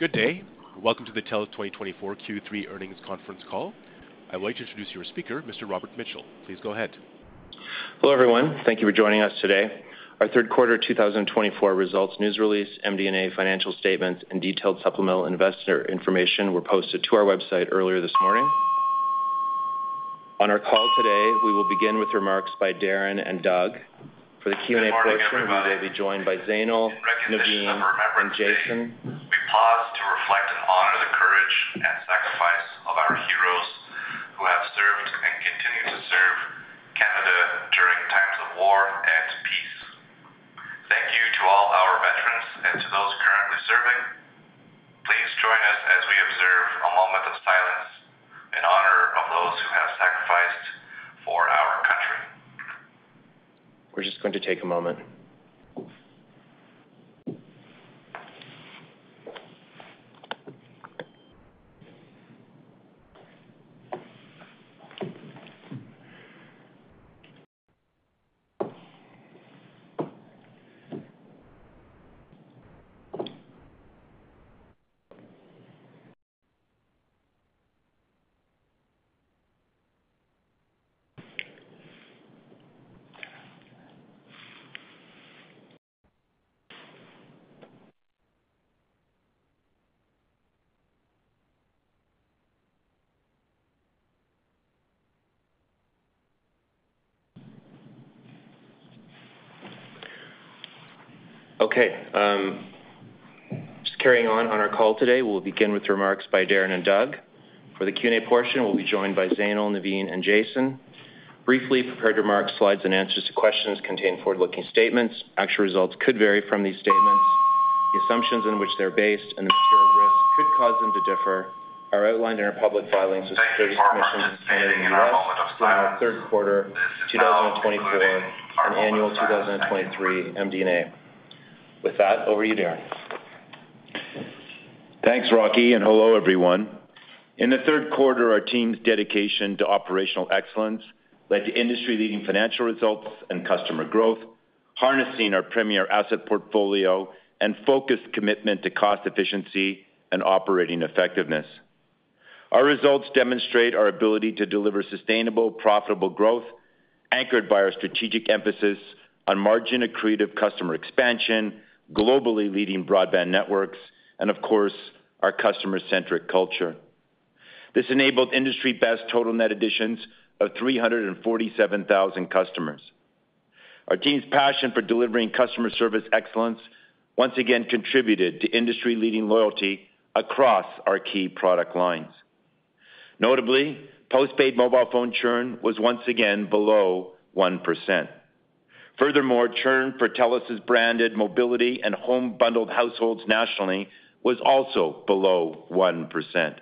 Good day, and welcome to the TELUS 2024 Q3 earnings conference call. I'd like to introduce your speaker, Mr. Robert Mitchell. Please go ahead. Hello everyone, thank you for joining us today. Our Q3 2024 results news release, MD&A financial statements, and detailed supplemental information were posted to our website earlier this morning. On our call today, we will begin with remarks by Darren and Doug. For the Q&A portion, we will be joined by Zainul, Navin, and Jason. We pause to reflect and honor the courage and sacrifice of our heroes who have served and continue to serve Canada during times of war and peace. Thank you to all our veterans and to those currently serving. Please join us as we observe a moment of silence in honor of those who have sacrificed for our country. We're just going to take a moment. Okay, just carrying on our call today, we'll begin with remarks by Darren and Doug. For the Q&A portion, we'll be joined by Zainul, Navin, and Jason. Briefly prepared remarks, slides, and answers to questions contain forward-looking statements. Actual results could vary from these statements. The assumptions on which they're based and the material risk could cause them to differ are outlined in our public filings with securities commissions and Canadian securities regulators for our Q3 2024 and annual 2023 MD&A. With that, over to you, Darren. Thanks, Rocky, and hello everyone. In the Q3, our team's dedication to operational excellence led to industry-leading financial results and customer growth, harnessing our premier asset portfolio and focused commitment to cost efficiency and operating effectiveness. Our results demonstrate our ability to deliver sustainable, profitable growth, anchored by our strategic emphasis on margin-accretive customer expansion, globally leading broadband networks, and, of course, our customer-centric culture. This enabled industry-best total net additions of 347,000 customers. Our team's passion for delivering customer service excellence once again contributed to industry-leading loyalty across our key product lines. Notably, postpaid mobile phone churn was once again below 1%. Furthermore, churn for TELUS' branded mobility and home bundled households nationally was also below 1%.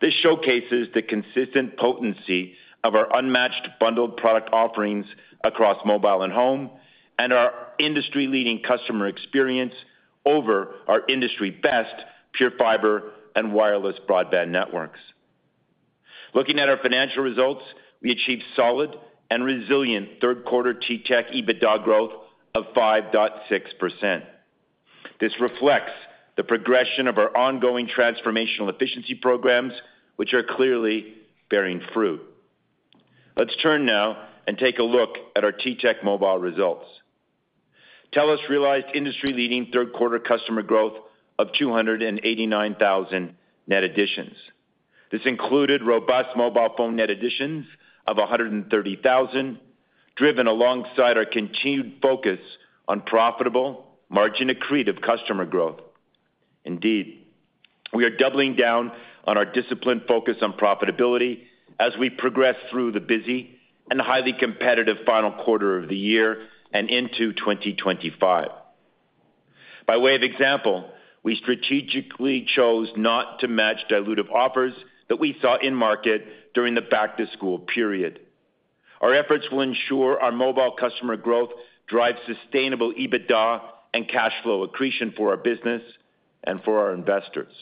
This showcases the consistent potency of our unmatched bundled product offerings across mobile and home, and our industry-leading customer experience over our industry-best PureFibre and wireless broadband networks. Looking at our financial results, we achieved solid and resilient Q3 TTech EBITDA growth of 5.6%. This reflects the progression of our ongoing transformational efficiency programs, which are clearly bearing fruit. Let's turn now and take a look at our TTech mobile results. TELUS realized industry-leading Q3 customer growth of 289,000 net additions. This included robust mobile phone net additions of 130,000, driven alongside our continued focus on profitable, margin-accretive customer growth. Indeed, we are doubling down on our disciplined focus on profitability as we progress through the busy and highly competitive Q4 of the year and into 2025. By way of example, we strategically chose not to match dilutive offers that we saw in-market during the back-to-school period. Our efforts will ensure our mobile customer growth drives sustainable EBITDA and cash flow accretion for our business and for our investors.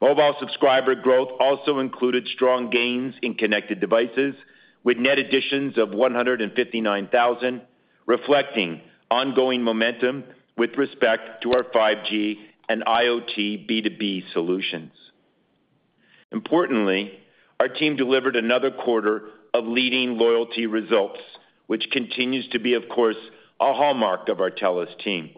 Mobile subscriber growth also included strong gains in connected devices, with net additions of 159,000, reflecting ongoing momentum with respect to our 5G and IoT B2B solutions. Importantly, our team delivered another quarter of leading loyalty results, which continues to be, of course, a hallmark of our TELUS team.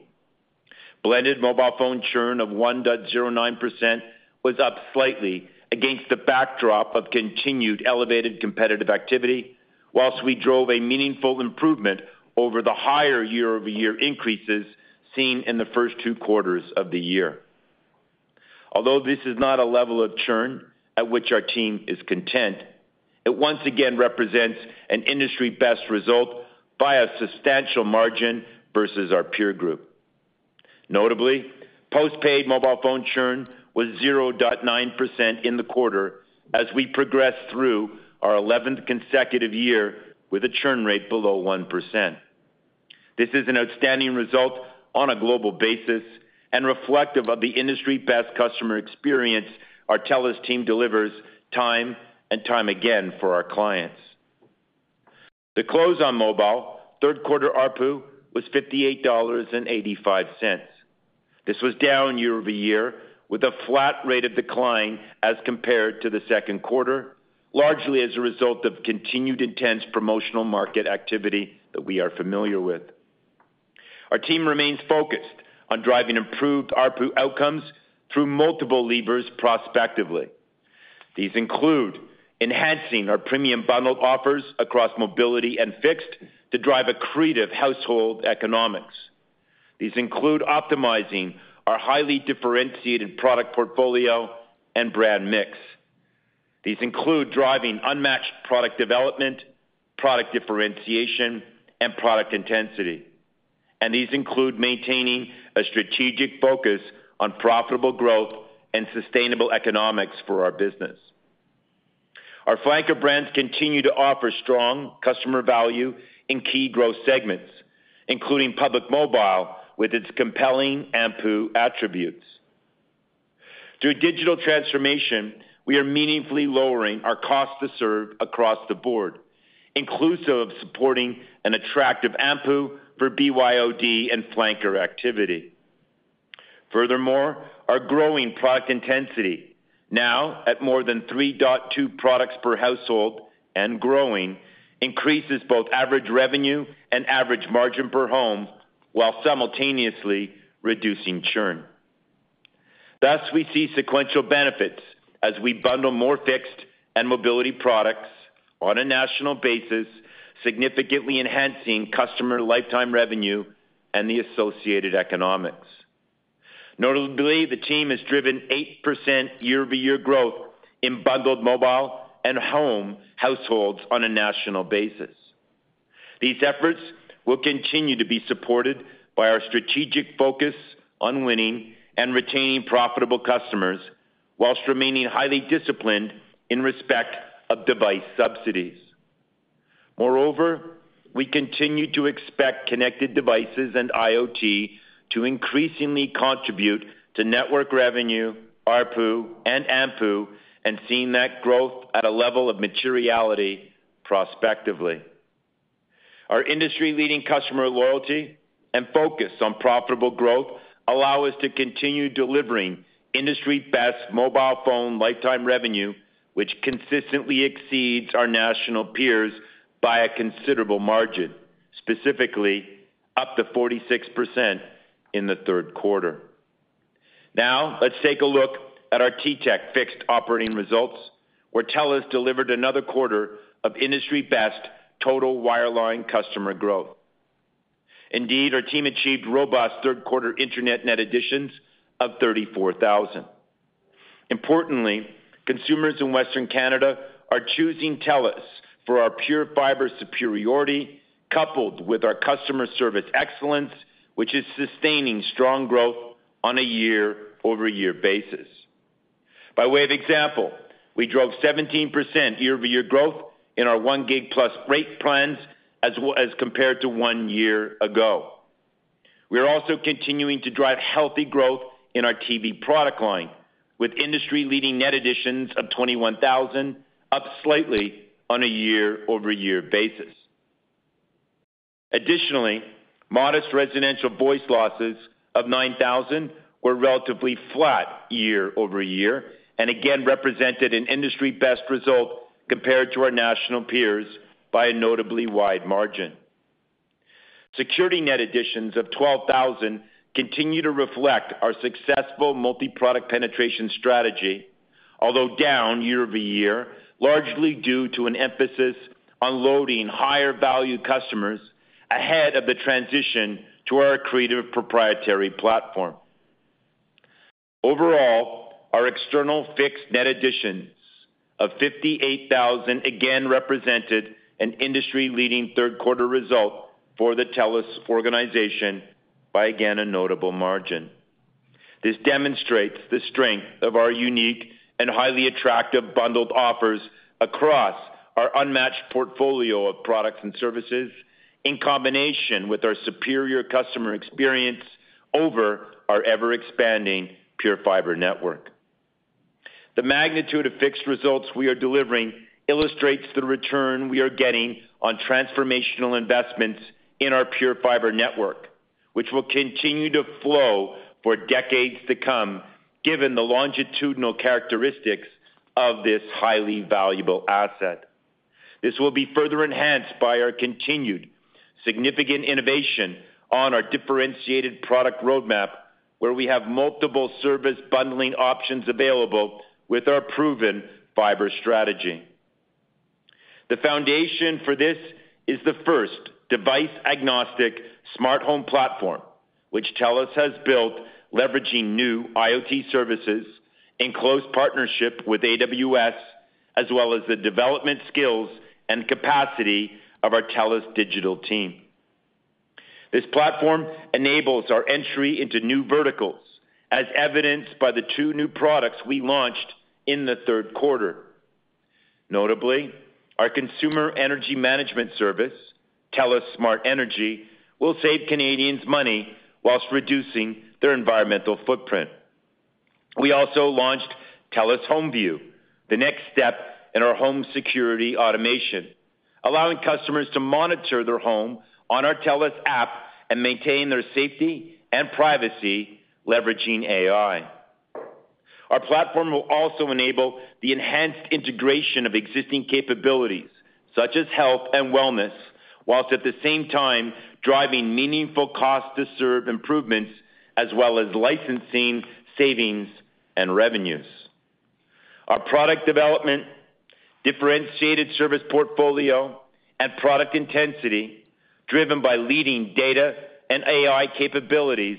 Blended mobile phone churn of 1.09% was up slightly against the backdrop of continued elevated competitive activity, whilst we drove a meaningful improvement over the higher year-over-year increases seen in the first two quarters of the year. Although this is not a level of churn at which our team is content, it once again represents an industry-best result by a substantial margin versus our peer group. Notably, postpaid mobile phone churn was 0.9% in the quarter as we progressed through our 11th consecutive year with a churn rate below 1%. This is an outstanding result on a global basis and reflective of the industry-best customer experience our TELUS team delivers time and time again for our clients. To close on mobile, Q3 ARPU was 58.85 dollars. This was down year-over-year with a flat rate of decline as compared to Q2, largely as a result of continued intense promotional market activity that we are familiar with. Our team remains focused on driving improved ARPU outcomes through multiple levers prospectively. These include enhancing our premium bundled offers across mobility and fixed to drive accretive household economics. These include optimizing our highly differentiated product portfolio and brand mix. These include driving unmatched product development, product differentiation, and product intensity. And these include maintaining a strategic focus on profitable growth and sustainable economics for our business. Our flagship brands continue to offer strong customer value in key growth segments, including Public Mobile with its compelling AMPU attributes. Through digital transformation, we are meaningfully lowering our cost to serve across the board, inclusive of supporting an attractive AMPU for BYOD and flanker activity. Furthermore, our growing product intensity, now at more than 3.2 products per household and growing, increases both average revenue and average margin per home, while simultaneously reducing churn. Thus, we see sequential benefits as we bundle more fixed and mobility products on a national basis, significantly enhancing customer lifetime revenue and the associated economics. Notably, the team has driven 8% year-over-year growth in bundled mobile and home households on a national basis. These efforts will continue to be supported by our strategic focus on winning and retaining profitable customers, whilst remaining highly disciplined in respect of device subsidies. Moreover, we continue to expect connected devices and IoT to increasingly contribute to network revenue, ARPU, and AMPU, and seeing that growth at a level of materiality prospectively. Our industry-leading customer loyalty and focus on profitable growth allow us to continue delivering industry-best mobile phone lifetime revenue, which consistently exceeds our national peers by a considerable margin, specifically up to 46% in Q3. Now, let's take a look at our TTech fixed operating results, where TELUS delivered another quarter of industry-best total wireline customer growth. Indeed, our team achieved robust Q3 Internet net additions of 34,000. Importantly, consumers in Western Canada are choosing TELUS for our PureFibre superiority, coupled with our customer service excellence, which is sustaining strong growth on a year-over-year basis. By way of example, we drove 17% year-over-year growth in our 1Gbps+ rate plans as compared to one year ago. We are also continuing to drive healthy growth in our TV product line, with industry-leading net additions of 21,000, up slightly on a year-over-year basis. Additionally, modest residential voice losses of 9,000 were relatively flat year-over-year and again represented an industry-best result compared to our national peers by a notably wide margin. Security net additions of 12,000 continue to reflect our successful multi-product penetration strategy, although down year-over-year, largely due to an emphasis on loading higher-value customers ahead of the transition to our accretive proprietary platform. Overall, our external fixed net additions of 58,000 again represented an industry-leading Q3 result for the TELUS organization by again a notable margin. This demonstrates the strength of our unique and highly attractive bundled offers across our unmatched portfolio of products and services, in combination with our superior customer experience over our ever-expanding PureFibre network. The magnitude of fixed results we are delivering illustrates the return we are getting on transformational investments in our PureFibre network, which will continue to flow for decades to come, given the longitudinal characteristics of this highly valuable asset. This will be further enhanced by our continued significant innovation on our differentiated product roadmap, where we have multiple service bundling options available with our proven fiber strategy. The foundation for this is the first device-agnostic smart home platform, which TELUS has built, leveraging new IoT services in close partnership with AWS, as well as the development skills and capacity of our TELUS Digital team. This platform enables our entry into new verticals, as evidenced by the two new products we launched in Q3. Notably, our consumer energy management service, TELUS SmartEnergy, will save Canadians money while reducing their environmental footprint. We also launched TELUS HomeView, the next step in our home security automation, allowing customers to monitor their home on our TELUS app and maintain their safety and privacy leveraging AI. Our platform will also enable the enhanced integration of existing capabilities, such as health and wellness, while at the same time driving meaningful cost-to-serve improvements, as well as licensing savings and revenues. Our product development, differentiated service portfolio, and product intensity, driven by leading data and AI capabilities,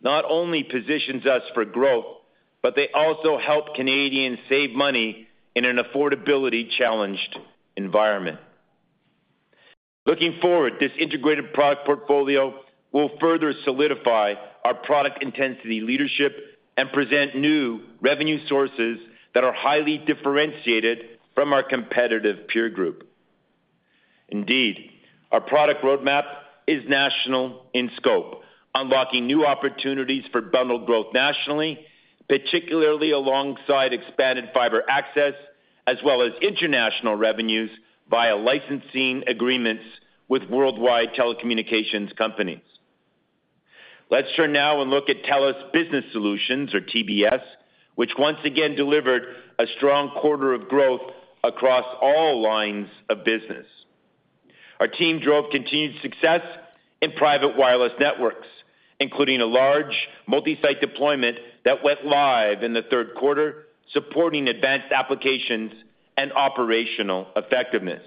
not only positions us for growth, but they also help Canadians save money in an affordability-challenged environment. Looking forward, this integrated product portfolio will further solidify our product intensity leadership and present new revenue sources that are highly differentiated from our competitive peer group. Indeed, our product roadmap is national in scope, unlocking new opportunities for bundled growth nationally, particularly alongside expanded fiber access, as well as international revenues via licensing agreements with worldwide telecommunications companies. Let's turn now and look at TELUS Business Solutions, or TBS, which once again delivered a strong quarter of growth across all lines of business. Our team drove continued success in private wireless networks, including a large multi-site deployment that went live in Q3, supporting advanced applications and operational effectiveness.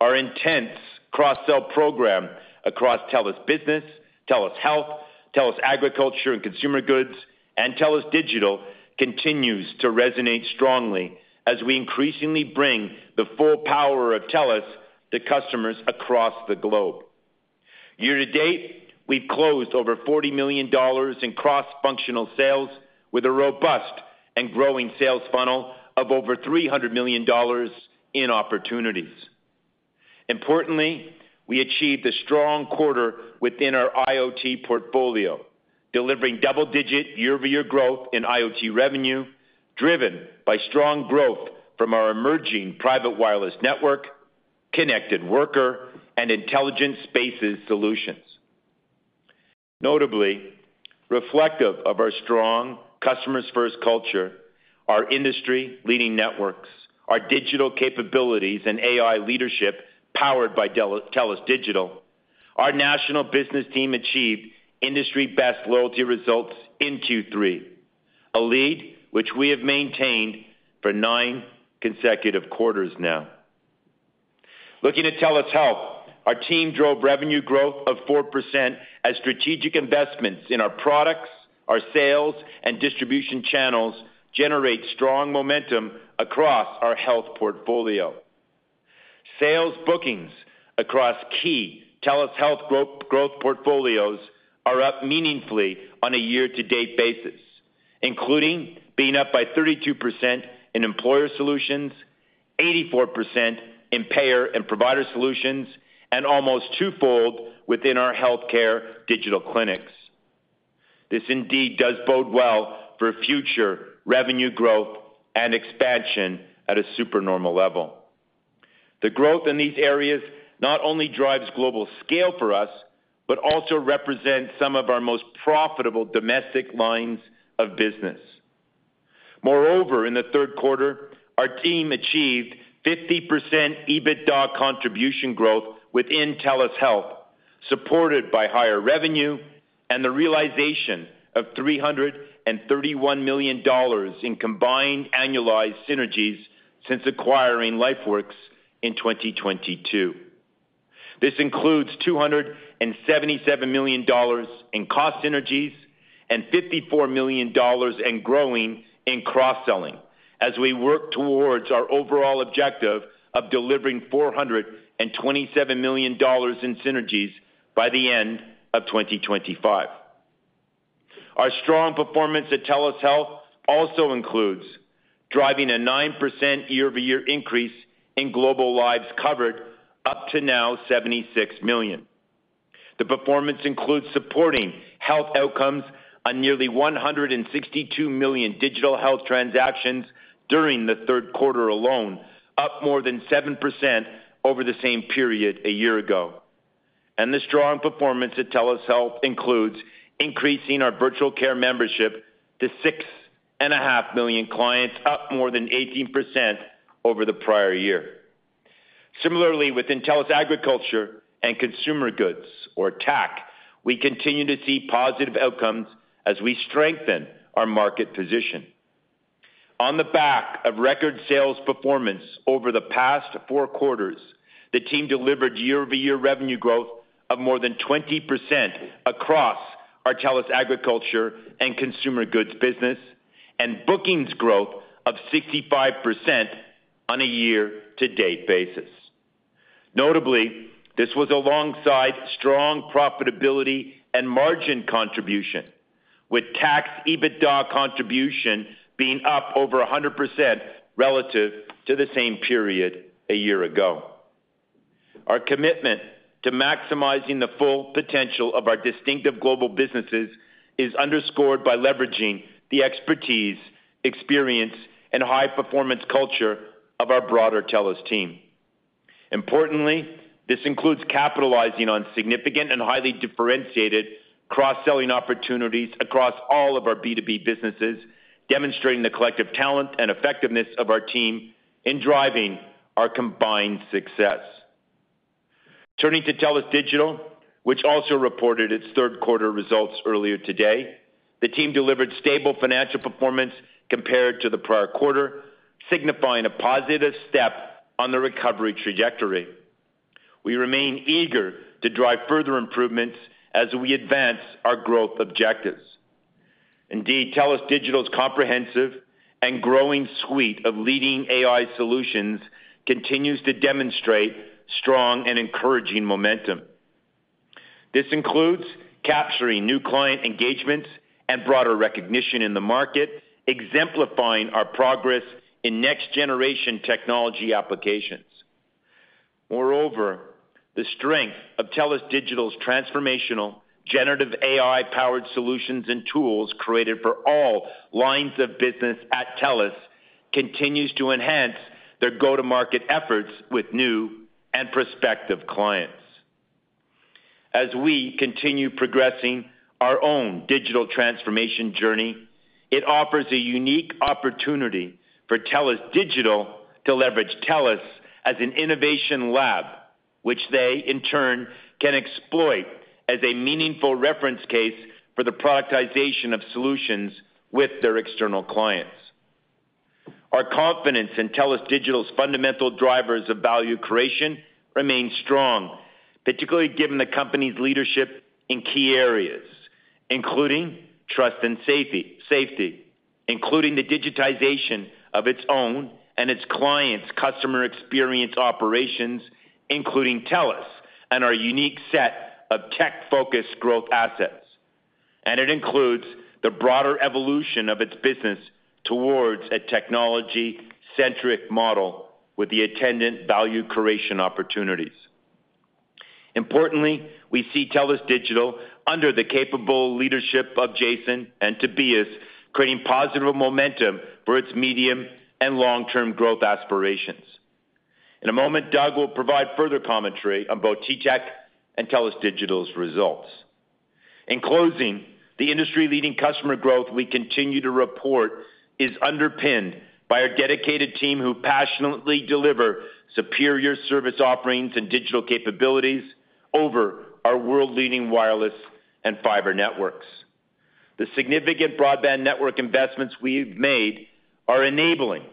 Our intense cross-sell program across TELUS Business, TELUS Health, TELUS Agriculture and Consumer Goods, and TELUS Digital continues to resonate strongly as we increasingly bring the full power of TELUS to customers across the globe. Year to date, we've closed over 40 million dollars in cross-functional sales, with a robust and growing sales funnel of over 300 million dollars in opportunities. Importantly, we achieved a strong quarter within our IoT portfolio, delivering double-digit year-over-year growth in IoT revenue, driven by strong growth from our emerging private wireless network, Connected Worker, and Intelligent Spaces solutions. Notably, reflective of our strong customer-first culture, our industry-leading networks, our digital capabilities, and AI leadership powered by TELUS Digital, our national business team achieved industry-best loyalty results in Q3, a lead which we have maintained for nine consecutive quarters now. Looking at TELUS Health, our team drove revenue growth of 4% as strategic investments in our products, our sales, and distribution channels generate strong momentum across our health portfolio. Sales bookings across key TELUS Health growth portfolios are up meaningfully on a year-to-date basis, including being up by 32% in Employer Solutions, 84% in Payer and Provider Solutions, and almost twofold within our healthcare digital clinics. This indeed does bode well for future revenue growth and expansion at a supernormal level. The growth in these areas not only drives global scale for us, but also represents some of our most profitable domestic lines of business. Moreover, in Q3, our team achieved 50% EBITDA contribution growth within TELUS Health, supported by higher revenue and the realization of 331 million dollars in combined annualized synergies since acquiring LifeWorks in 2022. This includes 277 million dollars in cost synergies and 54 million dollars and growing in cross-selling as we work towards our overall objective of delivering 427 million dollars in synergies by the end of 2025. Our strong performance at TELUS Health also includes driving a 9% year-over-year increase in global lives covered, up to now 76 million. The performance includes supporting health outcomes on nearly 162 million digital health transactions during Q3 alone, up more than 7% over the same period a year ago, and the strong performance at TELUS Health includes increasing our virtual care membership to 6.5 million clients, up more than 18% over the prior year. Similarly, within TELUS Agriculture and Consumer Goods, or TAC, we continue to see positive outcomes as we strengthen our market position. On the back of record sales performance over the past four quarters, the team delivered year-over-year revenue growth of more than 20% across our TELUS Agriculture and Consumer Goods business and bookings growth of 65% on a year-to-date basis. Notably, this was alongside strong profitability and margin contribution, with TAC's EBITDA contribution being up over 100% relative to the same period a year ago. Our commitment to maximizing the full potential of our distinctive global businesses is underscored by leveraging the expertise, experience, and high-performance culture of our broader TELUS team. Importantly, this includes capitalizing on significant and highly differentiated cross-selling opportunities across all of our B2B businesses, demonstrating the collective talent and effectiveness of our team in driving our combined success. Turning to TELUS Digital, which also reported its Q3 results earlier today, the team delivered stable financial performance compared to Q4, signifying a positive step on the recovery trajectory. We remain eager to drive further improvements as we advance our growth objectives. Indeed, TELUS Digital's comprehensive and growing suite of leading AI solutions continues to demonstrate strong and encouraging momentum. This includes capturing new client engagements and broader recognition in the market, exemplifying our progress in next-generation technology applications. Moreover, the strength of TELUS Digital's transformational generative AI-powered solutions and tools created for all lines of business at TELUS continues to enhance their go-to-market efforts with new and prospective clients. As we continue progressing our own digital transformation journey, it offers a unique opportunity for TELUS Digital to leverage TELUS as an innovation lab, which they, in turn, can exploit as a meaningful reference case for the productization of solutions with their external clients. Our confidence in TELUS Digital's fundamental drivers of value creation remains strong, particularly given the company's leadership in key areas, including trust and safety, including the digitization of its own and its clients' customer experience operations, including TELUS and our unique set of tech-focused growth assets, and it includes the broader evolution of its business towards a technology-centric model with the attendant value creation opportunities. Importantly, we see TELUS Digital, under the capable leadership of Jason and Tobias, creating positive momentum for its medium and long-term growth aspirations. In a moment, Doug will provide further commentary on both TTech and TELUS Digital's results. In closing, the industry-leading customer growth we continue to report is underpinned by our dedicated team who passionately deliver superior service offerings and digital capabilities over our world-leading wireless and fiber networks. The significant broadband network investments we've made are enabling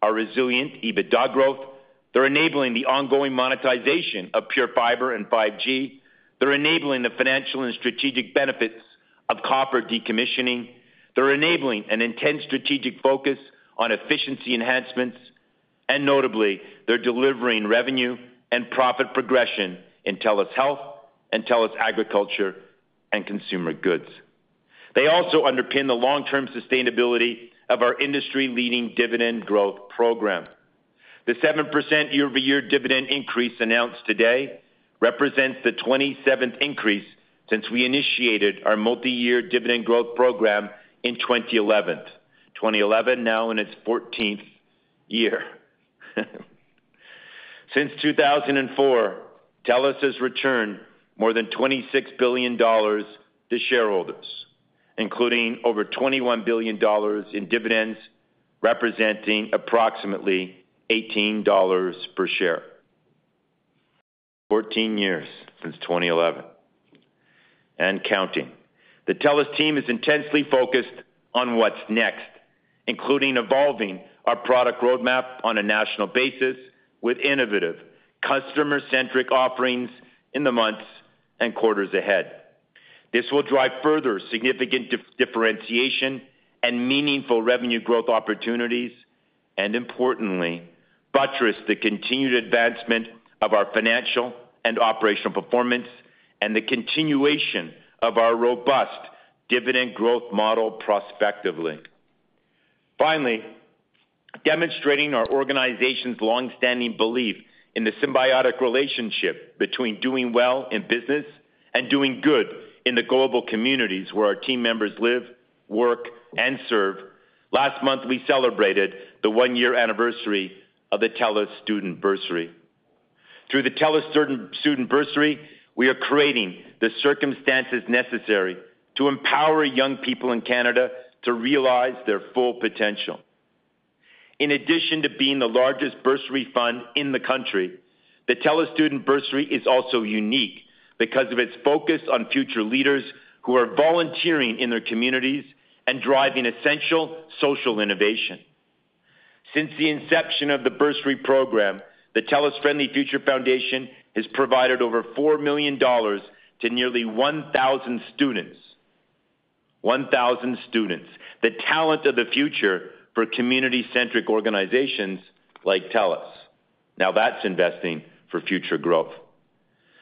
our resilient EBITDA growth. They're enabling the ongoing monetization of PureFibre and 5G. They're enabling the financial and strategic benefits of copper decommissioning. They're enabling an intense strategic focus on efficiency enhancements. And notably, they're delivering revenue and profit progression in TELUS Health and TELUS Agriculture and Consumer Goods. They also underpin the long-term sustainability of our industry-leading dividend growth program. The 7% year-over-year dividend increase announced today represents the 27th increase since we initiated our multi-year dividend growth program in 2011. 2011, now in its 14th year. Since 2004, TELUS has returned more than 26 billion dollars to shareholders, including over 21 billion dollars in dividends, representing approximately 18 dollars per share. 14 years since 2011 and counting. The TELUS team is intensely focused on what's next, including evolving our product roadmap on a national basis with innovative, customer-centric offerings in the months and quarters ahead. This will drive further significant differentiation and meaningful revenue growth opportunities and, importantly, buttress the continued advancement of our financial and operational performance and the continuation of our robust dividend growth model prospectively. Finally, demonstrating our organization's longstanding belief in the symbiotic relationship between doing well in business and doing good in the global communities where our team members live, work, and serve, last month we celebrated the one-year anniversary of the TELUS Student Bursary. Through the TELUS Student Bursary, we are creating the circumstances necessary to empower young people in Canada to realize their full potential. In addition to being the largest bursary fund in the country, the TELUS Student Bursary is also unique because of its focus on future leaders who are volunteering in their communities and driving essential social innovation. Since the inception of the bursary program, the TELUS Friendly Future Foundation has provided over 4 million dollars to nearly 1,000 students. 1,000 students, the talent of the future for community-centric organizations like TELUS. Now that's investing for future growth.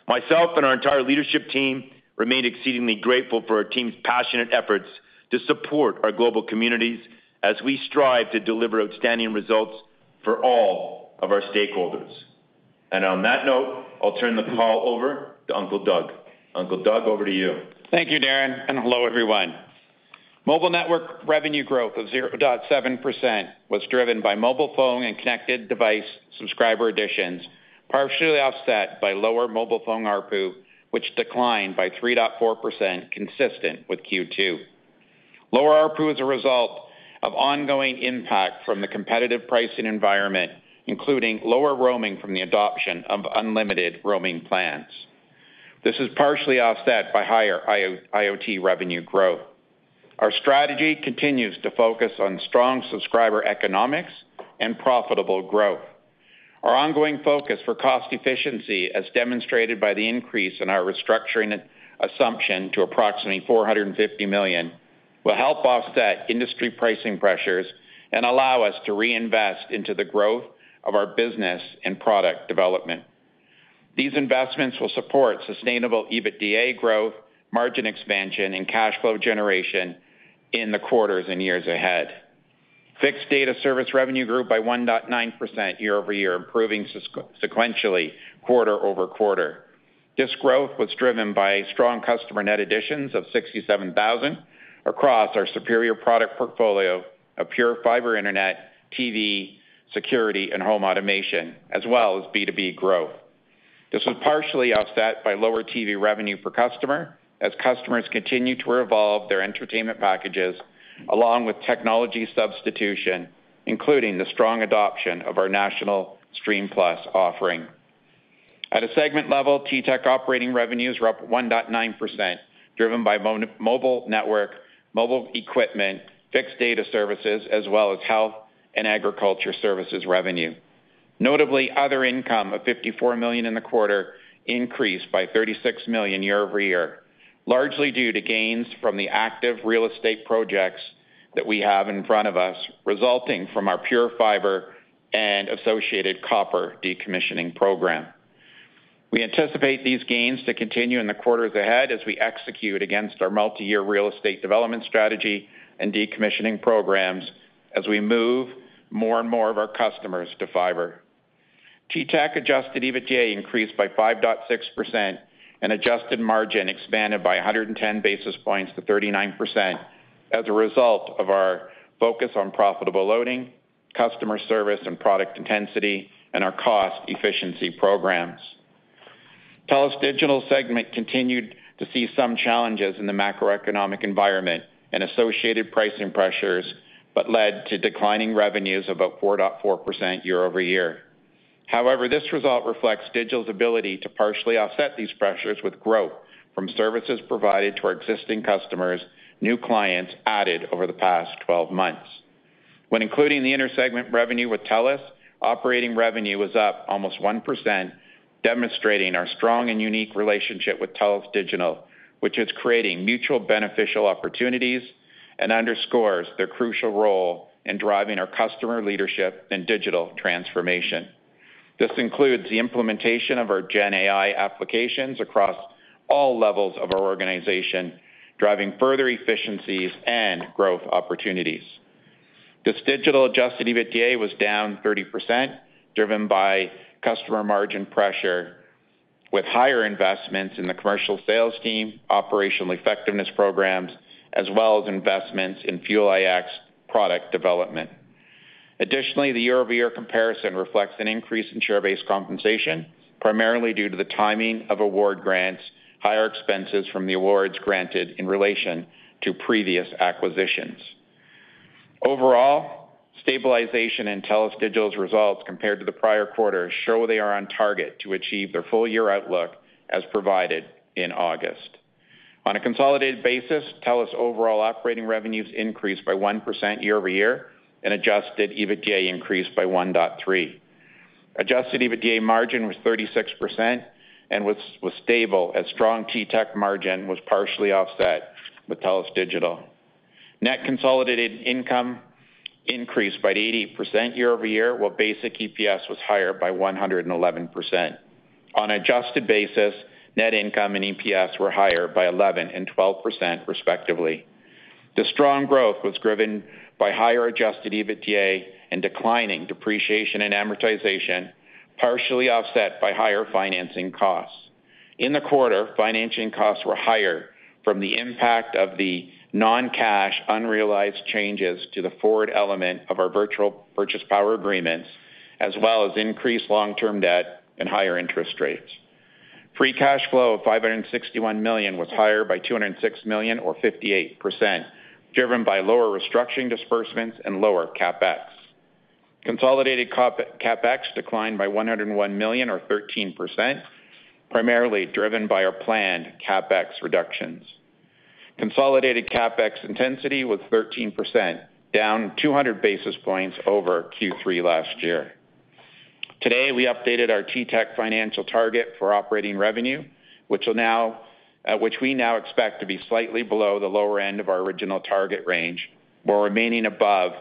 Myself and our entire leadership team remain exceedingly grateful for our team's passionate efforts to support our global communities as we strive to deliver outstanding results for all of our stakeholders. And on that note, I'll turn the call over to Uncle Doug. Uncle Doug, over to you. Thank you, Darren, and hello, everyone. Mobile network revenue growth of 0.7% was driven by mobile phone and connected device subscriber additions, partially offset by lower mobile phone ARPU, which declined by 3.4%, consistent with Q2. Lower ARPU is a result of ongoing impact from the competitive pricing environment, including lower roaming from the adoption of unlimited roaming plans. This is partially offset by higher IoT revenue growth. Our strategy continues to focus on strong subscriber economics and profitable growth. Our ongoing focus for cost efficiency, as demonstrated by the increase in our restructuring assumption to approximately $450 million, will help offset industry pricing pressures and allow us to reinvest into the growth of our business and product development. These investments will support sustainable EBITDA growth, margin expansion, and cash flow generation in the quarters and years ahead. Fixed data service revenue grew by 1.9% year-over-year, improving sequentially quarter-over-quarter. This growth was driven by strong customer net additions of 67,000 across our superior product portfolio of PureFibre Internet, TV, security, and home automation, as well as B2B growth. This was partially offset by lower TV revenue per customer as customers continue to evolve their entertainment packages along with technology substitution, including the strong adoption of our national Stream+ offering. At a segment level, TTech operating revenues were up 1.9%, driven by mobile network, mobile equipment, fixed data services, as well as health and agriculture services revenue. Notably, other income of CAD 54 million in the quarter increased by CAD 36 million year-over-year, largely due to gains from the active real estate projects that we have in front of us, resulting from our PureFibre and associated copper decommissioning program. We anticipate these gains to continue in the quarters ahead as we execute against our multi-year real estate development strategy and decommissioning programs as we move more and more of our customers to fiber. TTech adjusted EBITDA increased by 5.6% and adjusted margin expanded by 110 basis points to 39% as a result of our focus on profitable loading, customer service and product intensity, and our cost efficiency programs. TELUS Digital segment continued to see some challenges in the macroeconomic environment and associated pricing pressures, but led to declining revenues of about 4.4% year-over-year. However, this result reflects Digital's ability to partially offset these pressures with growth from services provided to our existing customers, new clients added over the past 12 months. When including the inter-segment revenue with TELUS, operating revenue was up almost 1%, demonstrating our strong and unique relationship with TELUS Digital, which is creating mutual beneficial opportunities and underscores their crucial role in driving our customer leadership and digital transformation. This includes the implementation of our GenAI applications across all levels of our organization, driving further efficiencies and growth opportunities. This Digital Adjusted EBITDA was down 30%, driven by customer margin pressure with higher investments in the commercial sales team, operational effectiveness programs, as well as investments in Fuel iX product development. Additionally, the year-over-year comparison reflects an increase in share-based compensation, primarily due to the timing of award grants, higher expenses from the awards granted in relation to previous acquisitions. Overall, stabilization in TELUS Digital's results compared to the prior quarter show they are on target to achieve their full-year outlook as provided in August. On a consolidated basis, TELUS overall operating revenues increased by 1% year-over-year and adjusted EBITDA increased by 1.3%. Adjusted EBITDA margin was 36% and was stable as strong TTec margin was partially offset with TELUS Digital. Net consolidated income increased by 80% year-over-year while basic EPS was higher by 111%. On an adjusted basis, net income and EPS were higher by 11% and 12%, respectively. The strong growth was driven by higher adjusted EBITDA and declining depreciation and amortization, partially offset by higher financing costs. In the quarter, financing costs were higher from the impact of the non-cash unrealized changes to the forward element of our virtual purchase power agreements, as well as increased long-term debt and higher interest rates. Free cash flow of 561 million was higher by 206 million, or 58%, driven by lower restructuring disbursements and lower CapEx. Consolidated CapEx declined by 101 million, or 13%, primarily driven by our planned CapEx reductions. Consolidated CapEx intensity was 13%, down 200 basis points over Q3 last year. Today, we updated our TTec financial target for operating revenue, which we now expect to be slightly below the lower end of our original target range, while remaining above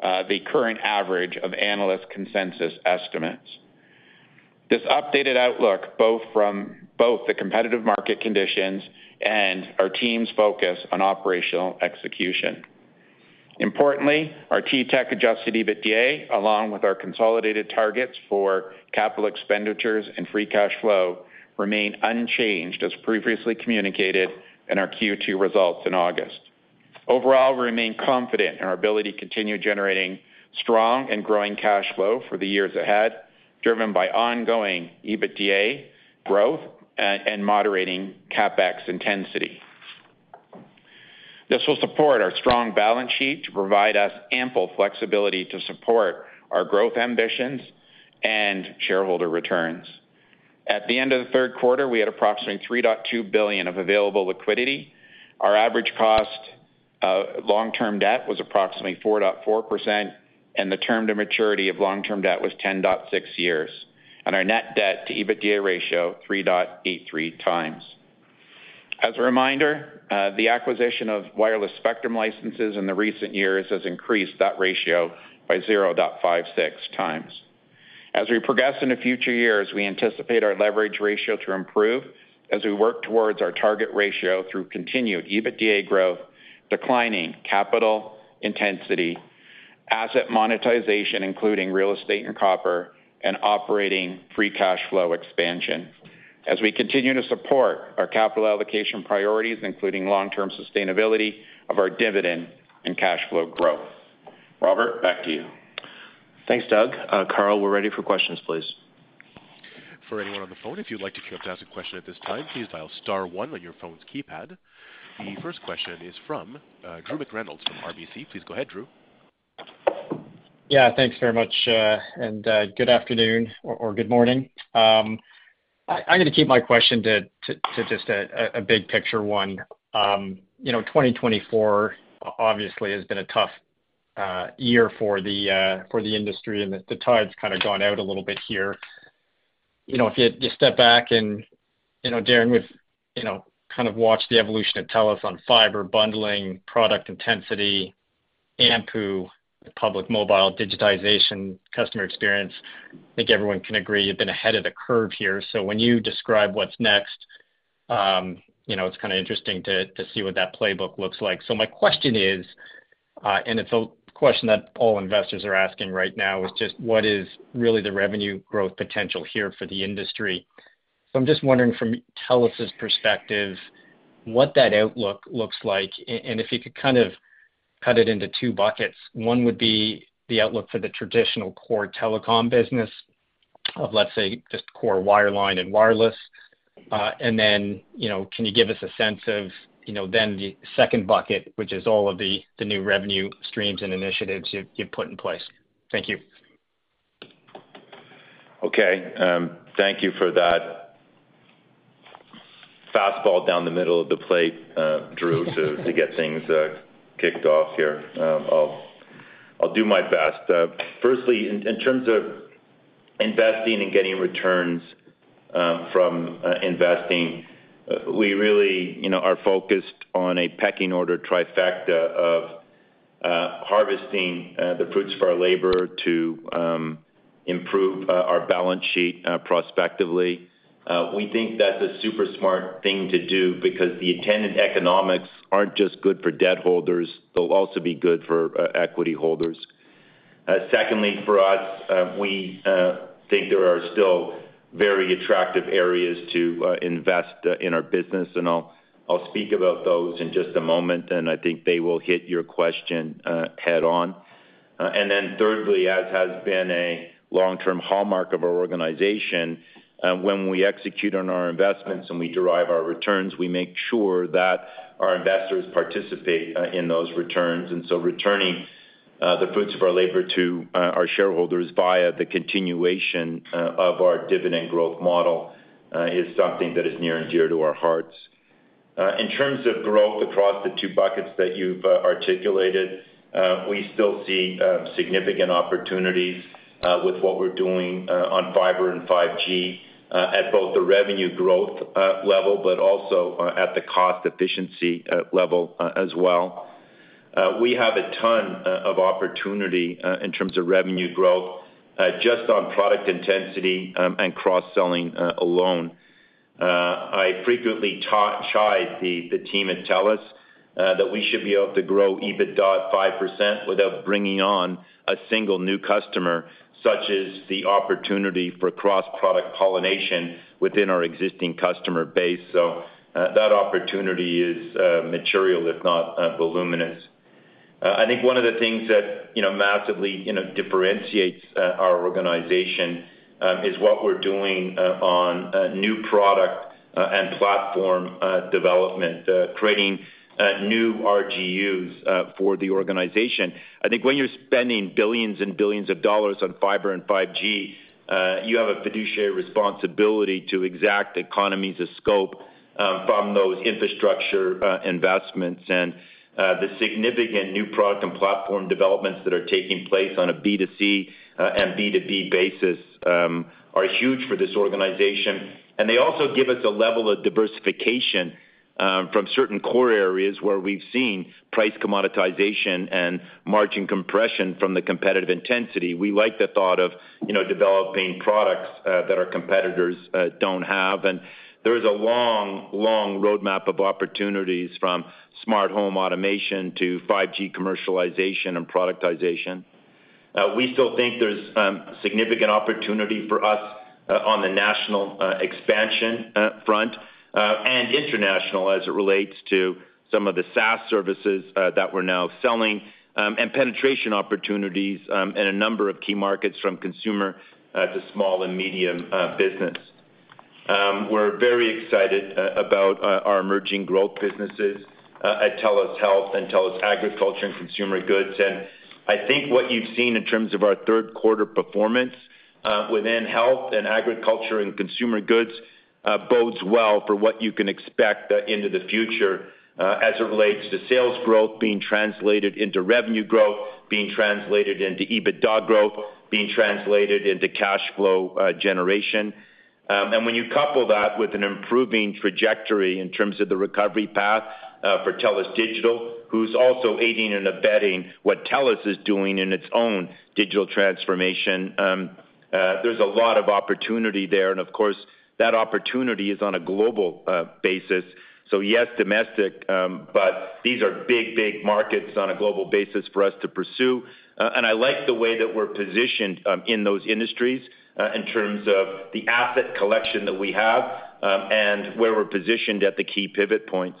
the current average of analyst consensus estimates. This updated outlook both from the competitive market conditions and our team's focus on operational execution. Importantly, our TTec adjusted EBITDA, along with our consolidated targets for capital expenditures and free cash flow, remain unchanged as previously communicated in our Q2 results in August. Overall, we remain confident in our ability to continue generating strong and growing cash flow for the years ahead, driven by ongoing EBITDA growth and moderating CapEx intensity. This will support our strong balance sheet to provide us ample flexibility to support our growth ambitions and shareholder returns. At the end of the Q3, we had approximately 3.2 billion of available liquidity. Our average cost of long-term debt was approximately 4.4%, and the term to maturity of long-term debt was 10.6 years, and our net debt to EBITDA ratio, 3.83 times. As a reminder, the acquisition of wireless spectrum licenses in the recent years has increased that ratio by 0.56 times. As we progress in the future years, we anticipate our leverage ratio to improve as we work towards our target ratio through continued EBITDA growth, declining capital intensity, asset monetization, including real estate and copper, and operating free cash flow expansion as we continue to support our capital allocation priorities, including long-term sustainability of our dividend and cash flow growth. Robert, back to you. Thanks, Doug. Carl, we're ready for questions, please. For anyone on the phone, if you'd like to queue up to ask a question at this time, please dial star one on your phone's keypad. The first question is from Drew McReynolds from RBC. Please go ahead, Drew. Yeah, thanks very much and good afternoon or good morning. I'm going to keep my question to just a big picture one. 2024, obviously, has been a tough year for the industry, and the tide's kind of gone out a little bit here. If you step back and, Darren, we've kind of watched the evolution of TELUS on fiber bundling, product intensity, AMPU, Public Mobile digitization, customer experience. I think everyone can agree you've been ahead of the curve here, so when you describe what's next, it's kind of interesting to see what that playbook looks like. So my question is, and it's a question that all investors are asking right now, is just what is really the revenue growth potential here for the industry? I'm just wondering from TELUS's perspective what that outlook looks like, and if you could kind of cut it into two buckets. One would be the outlook for the traditional core telecom business of, let's say, just core wireline and wireless. And then can you give us a sense of then the second bucket, which is all of the new revenue streams and initiatives you've put in place? Thank you. Okay. Thank you for that fastball down the middle of the plate, Drew, to get things kicked off here. I'll do my best. Firstly, in terms of investing and getting returns from investing, we really are focused on a pecking order trifecta of harvesting the fruits of our labor to improve our balance sheet prospectively. We think that's a super smart thing to do because the attendant economics aren't just good for debt holders. They'll also be good for equity holders. Secondly, for us, we think there are still very attractive areas to invest in our business, and I'll speak about those in just a moment, and I think they will hit your question head-on. And then thirdly, as has been a long-term hallmark of our organization, when we execute on our investments and we derive our returns, we make sure that our investors participate in those returns. And so returning the fruits of our labor to our shareholders via the continuation of our dividend growth model is something that is near and dear to our hearts. In terms of growth across the two buckets that you've articulated, we still see significant opportunities with what we're doing on fiber and 5G at both the revenue growth level, but also at the cost efficiency level as well. We have a ton of opportunity in terms of revenue growth just on product intensity and cross-selling alone. I frequently chide the team at TELUS that we should be able to grow EBITDA 5% without bringing on a single new customer, such as the opportunity for cross-product pollination within our existing customer base. So that opportunity is material, if not voluminous. I think one of the things that massively differentiates our organization is what we're doing on new product and platform development, creating new RGUs for the organization. I think when you're spending billions and billions of dollars on fiber and 5G, you have a fiduciary responsibility to exact economies of scope from those infrastructure investments. And the significant new product and platform developments that are taking place on a B2C and B2B basis are huge for this organization. And they also give us a level of diversification from certain core areas where we've seen price commoditization and margin compression from the competitive intensity. We like the thought of developing products that our competitors don't have. And there is a long, long roadmap of opportunities from smart home automation to 5G commercialization and productization. We still think there's significant opportunity for us on the national expansion front and international as it relates to some of the SaaS services that we're now selling and penetration opportunities in a number of key markets from consumer to small and medium business. We're very excited about our emerging growth businesses at TELUS Health and TELUS Agriculture and Consumer Goods. And I think what you've seen in terms of our third quarter performance within health and agriculture and consumer goods bodes well for what you can expect into the future as it relates to sales growth being translated into revenue growth, being translated into EBITDA growth, being translated into cash flow generation. And when you couple that with an improving trajectory in terms of the recovery path for TELUS Digital, who's also aiding and abetting what TELUS is doing in its own digital transformation, there's a lot of opportunity there. And of course, that opportunity is on a global basis. So yes, domestic, but these are big, big markets on a global basis for us to pursue. And I like the way that we're positioned in those industries in terms of the asset collection that we have and where we're positioned at the key pivot points.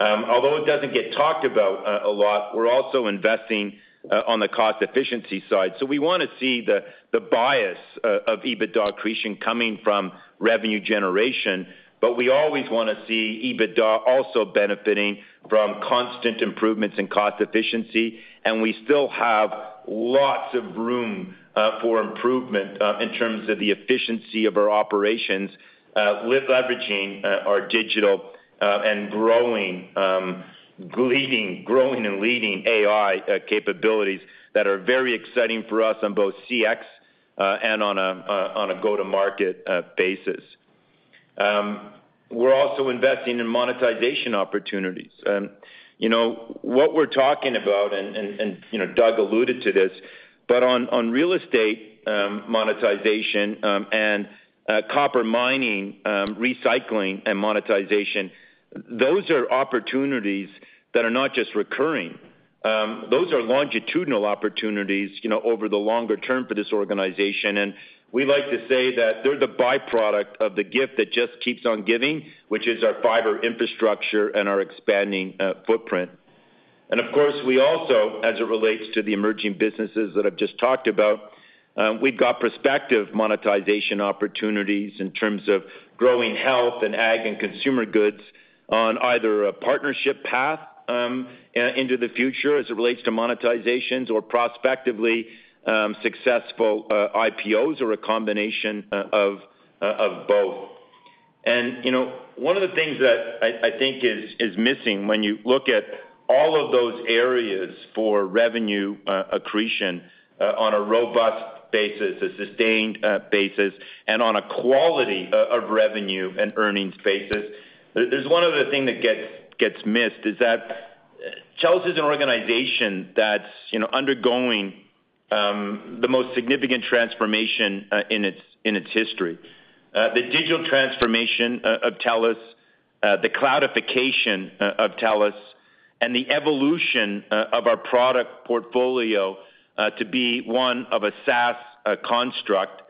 Although it doesn't get talked about a lot, we're also investing on the cost efficiency side. So we want to see the bias of EBITDA accretion coming from revenue generation, but we always want to see EBITDA also benefiting from constant improvements in cost efficiency. We still have lots of room for improvement in terms of the efficiency of our operations, leveraging our digital and growing and leading AI capabilities that are very exciting for us on both CX and on a go-to-market basis. We're also investing in monetization opportunities. What we're talking about, and Doug alluded to this, but on real estate monetization and copper recycling, and monetization, those are opportunities that are not just recurring. Those are longitudinal opportunities over the longer term for this organization. We like to say that they're the byproduct of the gift that just keeps on giving, which is our fiber infrastructure and our expanding footprint. And of course, we also, as it relates to the emerging businesses that I've just talked about, we've got prospective monetization opportunities in terms of growing health and ag and consumer goods on either a partnership path into the future as it relates to monetizations or prospectively successful IPOs or a combination of both. One of the things that I think is missing when you look at all of those areas for revenue accretion on a robust basis, a sustained basis, and on a quality of revenue and earnings basis, there's one other thing that gets missed: TELUS is an organization that's undergoing the most significant transformation in its history. The digital transformation of TELUS, the cloudification of TELUS, and the evolution of our product portfolio to be one of a SaaS construct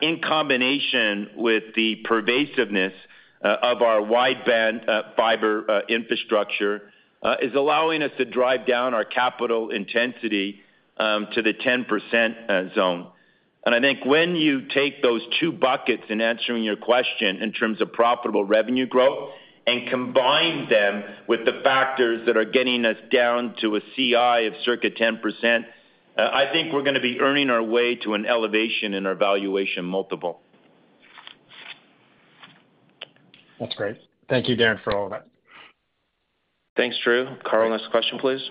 in combination with the pervasiveness of our wideband fiber infrastructure is allowing us to drive down our capital intensity to the 10% zone. And I think when you take those two buckets in answering your question in terms of profitable revenue growth and combine them with the factors that are getting us down to a CI of circa 10%, I think we're going to be earning our way to an elevation in our valuation multiple. That's great. Thank you, Darren, for all of that. Thanks, Drew. Carl, next question, please.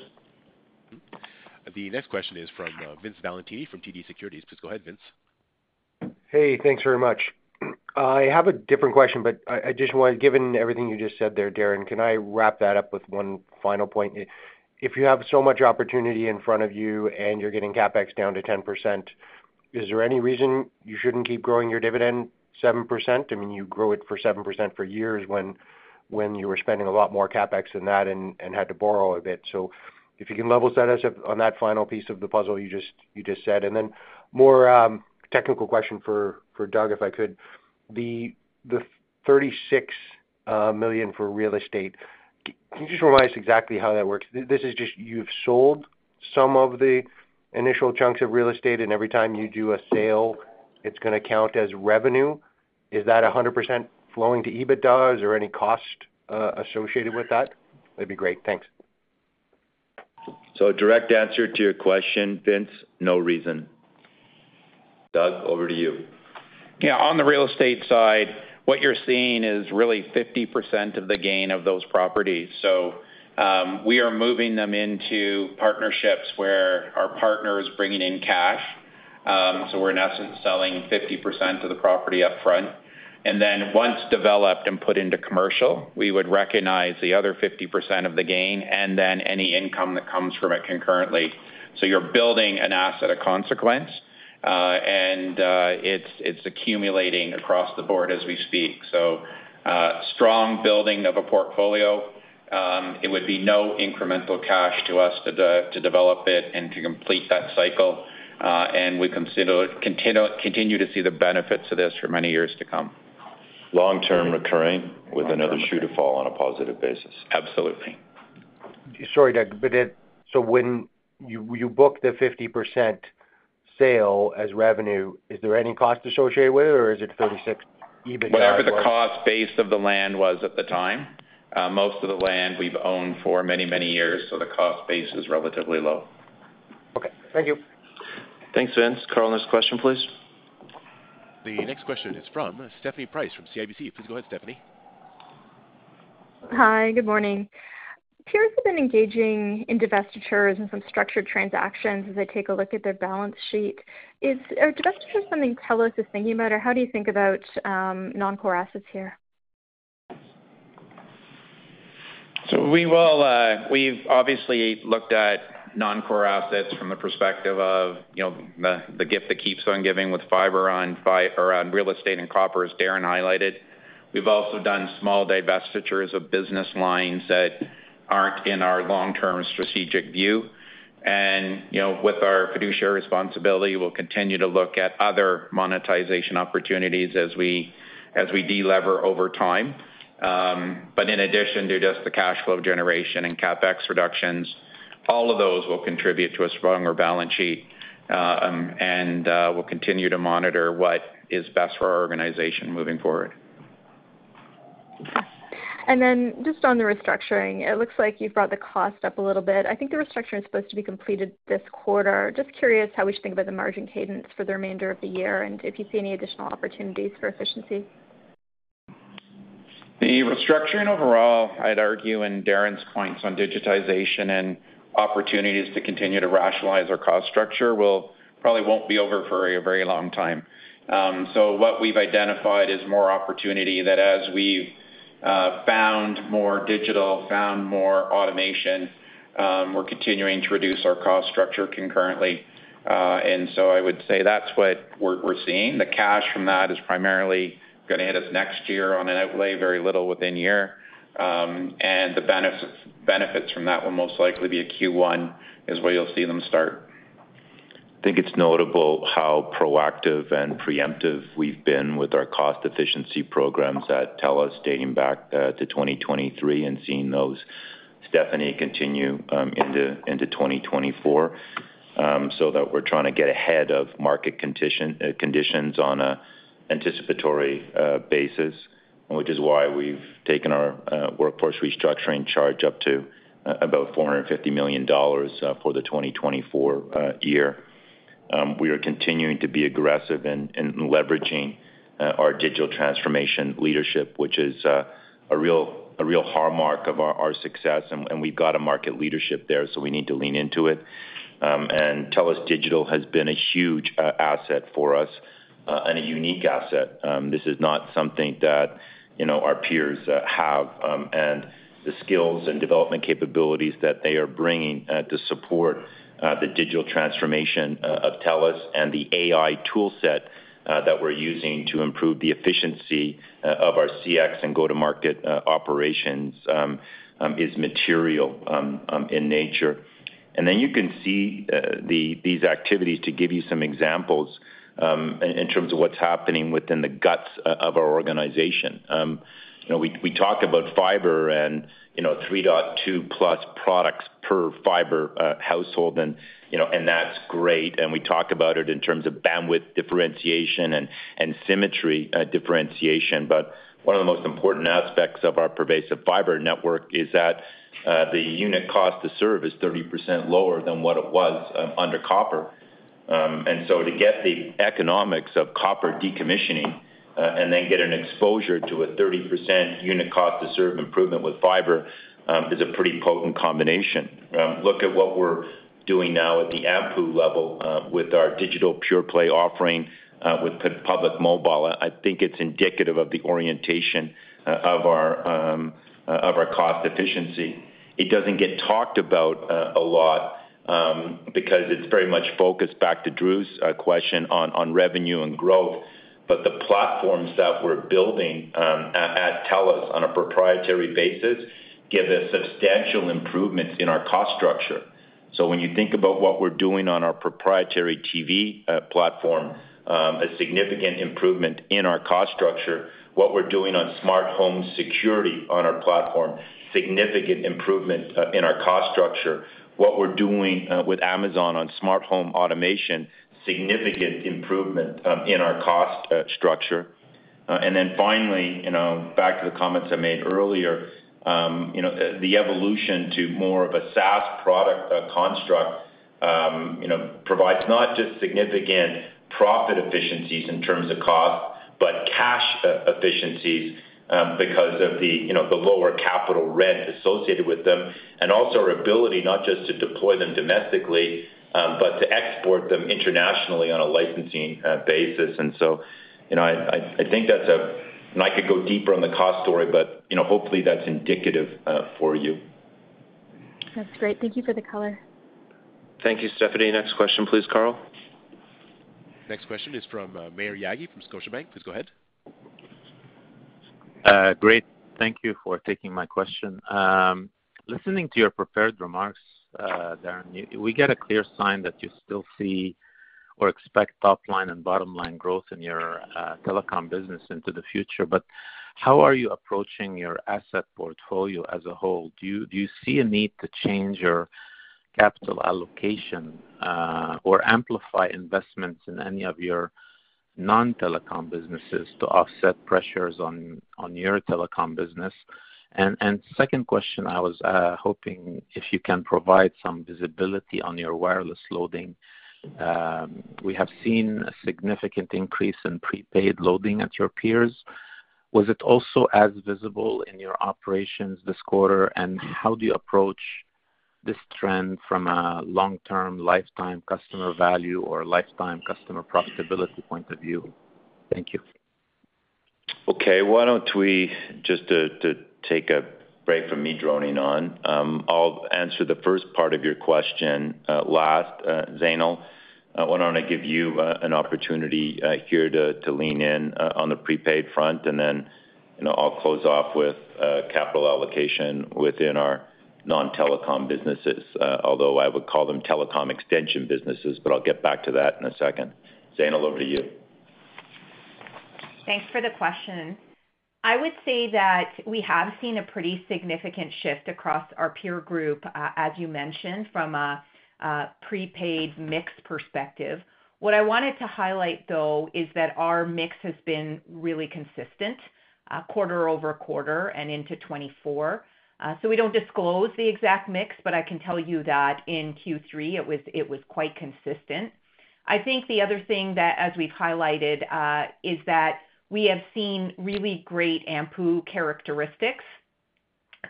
The next question is from Vince Valentini from TD Securities. Please go ahead, Vince. Hey, thanks very much. I have a different question, but I just want to, given everything you just said there, Darren, can I wrap that up with one final point? If you have so much opportunity in front of you and you're getting CapEx down to 10%, is there any reason you shouldn't keep growing your dividend 7%? I mean, you grew it for 7% for years when you were spending a lot more CapEx than that and had to borrow a bit. So if you can level set us up on that final piece of the puzzle you just said. And then more technical question for Doug, if I could. The 36 million for real estate, can you just remind us exactly how that works? This is just you've sold some of the initial chunks of real estate, and every time you do a sale, it's going to count as revenue. Is that 100% flowing to EBITDA or any cost associated with that? That'd be great. Thanks. So a direct answer to your question, Vince, no reason. Doug, over to you. Yeah, on the real estate side, what you're seeing is really 50% of the gain of those properties. So we are moving them into partnerships where our partner is bringing in cash. So we're, in essence, selling 50% of the property upfront. And then once developed and put into commercial, we would recognize the other 50% of the gain and then any income that comes from it concurrently. So you're building an asset of consequence, and it's accumulating across the board as we speak. So strong building of a portfolio. It would be no incremental cash to us to develop it and to complete that cycle. And we continue to see the benefits of this for many years to come. Long-term recurring with another shoe to fall on a positive basis. Absolutely. Sorry, Doug, but so when you booked the 50% sale as revenue, is there any cost associated with it, or is it 36 EBITDA? Whatever the cost base of the land was at the time. Most of the land we've owned for many, many years, so the cost base is relatively low. Okay. Thank you. Thanks, Vince. Carl, next question, please. The next question is from Stephanie Price from CIBC. Please go ahead, Stephanie. Hi, good morning. Peers have been engaging in divestitures and some structured transactions as they take a look at their balance sheet. Is divestiture something TELUS is thinking about, or how do you think about non-core assets here? So we've obviously looked at non-core assets from the perspective of the gift that keeps on giving with fiber on real estate and copper, as Darren highlighted. We've also done small divestitures of business lines that aren't in our long-term strategic view. And with our fiduciary responsibility, we'll continue to look at other monetization opportunities as we delever over time. But in addition to just the cash flow generation and CapEx reductions, all of those will contribute to a stronger balance sheet. And we'll continue to monitor what is best for our organization moving forward. And then just on the restructuring, it looks like you've brought the cost up a little bit. I think the restructuring is supposed to be completed this quarter. Just curious how we should think about the margin cadence for the remainder of the year and if you see any additional opportunities for efficiency. The restructuring overall, I'd argue, in Darren's points on digitization and opportunities to continue to rationalize our cost structure will probably won't be over for a very long time. So what we've identified is more opportunity that as we've found more digital, found more automation, we're continuing to reduce our cost structure concurrently. And so I would say that's what we're seeing. The cash from that is primarily going to hit us next year on an outlay, very little within year. The benefits from that will most likely be a Q1 is where you'll see them start. I think it's notable how proactive and preemptive we've been with our cost efficiency programs at TELUS dating back to 2023 and seeing those, Stephanie, continue into 2024 so that we're trying to get ahead of market conditions on an anticipatory basis, which is why we've taken our workforce restructuring charge up to about 450 million dollars for the 2024 year. We are continuing to be aggressive in leveraging our digital transformation leadership, which is a real hallmark of our success. We've got a market leadership there, so we need to lean into it. TELUS Digital has been a huge asset for us and a unique asset. This is not something that our peers have. And the skills and development capabilities that they are bringing to support the digital transformation of TELUS and the AI toolset that we're using to improve the efficiency of our CX and go-to-market operations is material in nature. And then you can see these activities to give you some examples in terms of what's happening within the guts of our organization. We talk about fiber and 3.2-plus products per fiber household, and that's great. And we talk about it in terms of bandwidth differentiation and symmetry differentiation. But one of the most important aspects of our pervasive fiber network is that the unit cost to serve is 30% lower than what it was under copper. And so to get the economics of copper decommissioning and then get an exposure to a 30% unit cost to serve improvement with fiber is a pretty potent combination. Look at what we're doing now at the AMPU level with our digital pure play offering with Public Mobile. I think it's indicative of the orientation of our cost efficiency. It doesn't get talked about a lot because it's very much focused back to Drew's question on revenue and growth. But the platforms that we're building at TELUS on a proprietary basis give us substantial improvements in our cost structure. So when you think about what we're doing on our proprietary TV platform, a significant improvement in our cost structure, what we're doing on smart home security on our platform, significant improvement in our cost structure, what we're doing with Amazon on smart home automation, significant improvement in our cost structure. And then finally, back to the comments I made earlier, the evolution to more of a SaaS product construct provides not just significant profit efficiencies in terms of cost, but cash efficiencies because of the lower capital rent associated with them and also our ability not just to deploy them domestically, but to export them internationally on a licensing basis. And so I think that's a—and I could go deeper on the cost story, but hopefully that's indicative for you. That's great. Thank you for the color. Thank you, Stephanie. Next question, please, Carl. Next question is from Maher Yaghi from Scotiabank. Please go ahead. Great. Thank you for taking my question. Listening to your prepared remarks, Darren, we get a clear sign that you still see or expect top-line and bottom-line growth in your telecom business into the future. But how are you approaching your asset portfolio as a whole? Do you see a need to change your capital allocation or amplify investments in any of your non-telecom businesses to offset pressures on your telecom business? And second question, I was hoping if you can provide some visibility on your wireless loading. We have seen a significant increase in prepaid loading at your peers. Was it also as visible in your operations this quarter? And how do you approach this trend from a long-term lifetime customer value or lifetime customer profitability point of view? Thank you. Okay. Why don't we just take a break from me droning on? I'll answer the first part of your question last, Zainul. I want to give you an opportunity here to lean in on the prepaid front. And then I'll close off with capital allocation within our non-telecom businesses, although I would call them telecom extension businesses, but I'll get back to that in a second. Zainul, over to you. Thanks for the question. I would say that we have seen a pretty significant shift across our peer group, as you mentioned, from a prepaid mix perspective. What I wanted to highlight, though, is that our mix has been really consistent quarter-over-quarter and into 2024. So we don't disclose the exact mix, but I can tell you that in Q3, it was quite consistent. I think the other thing that, as we've highlighted, is that we have seen really great AMPU characteristics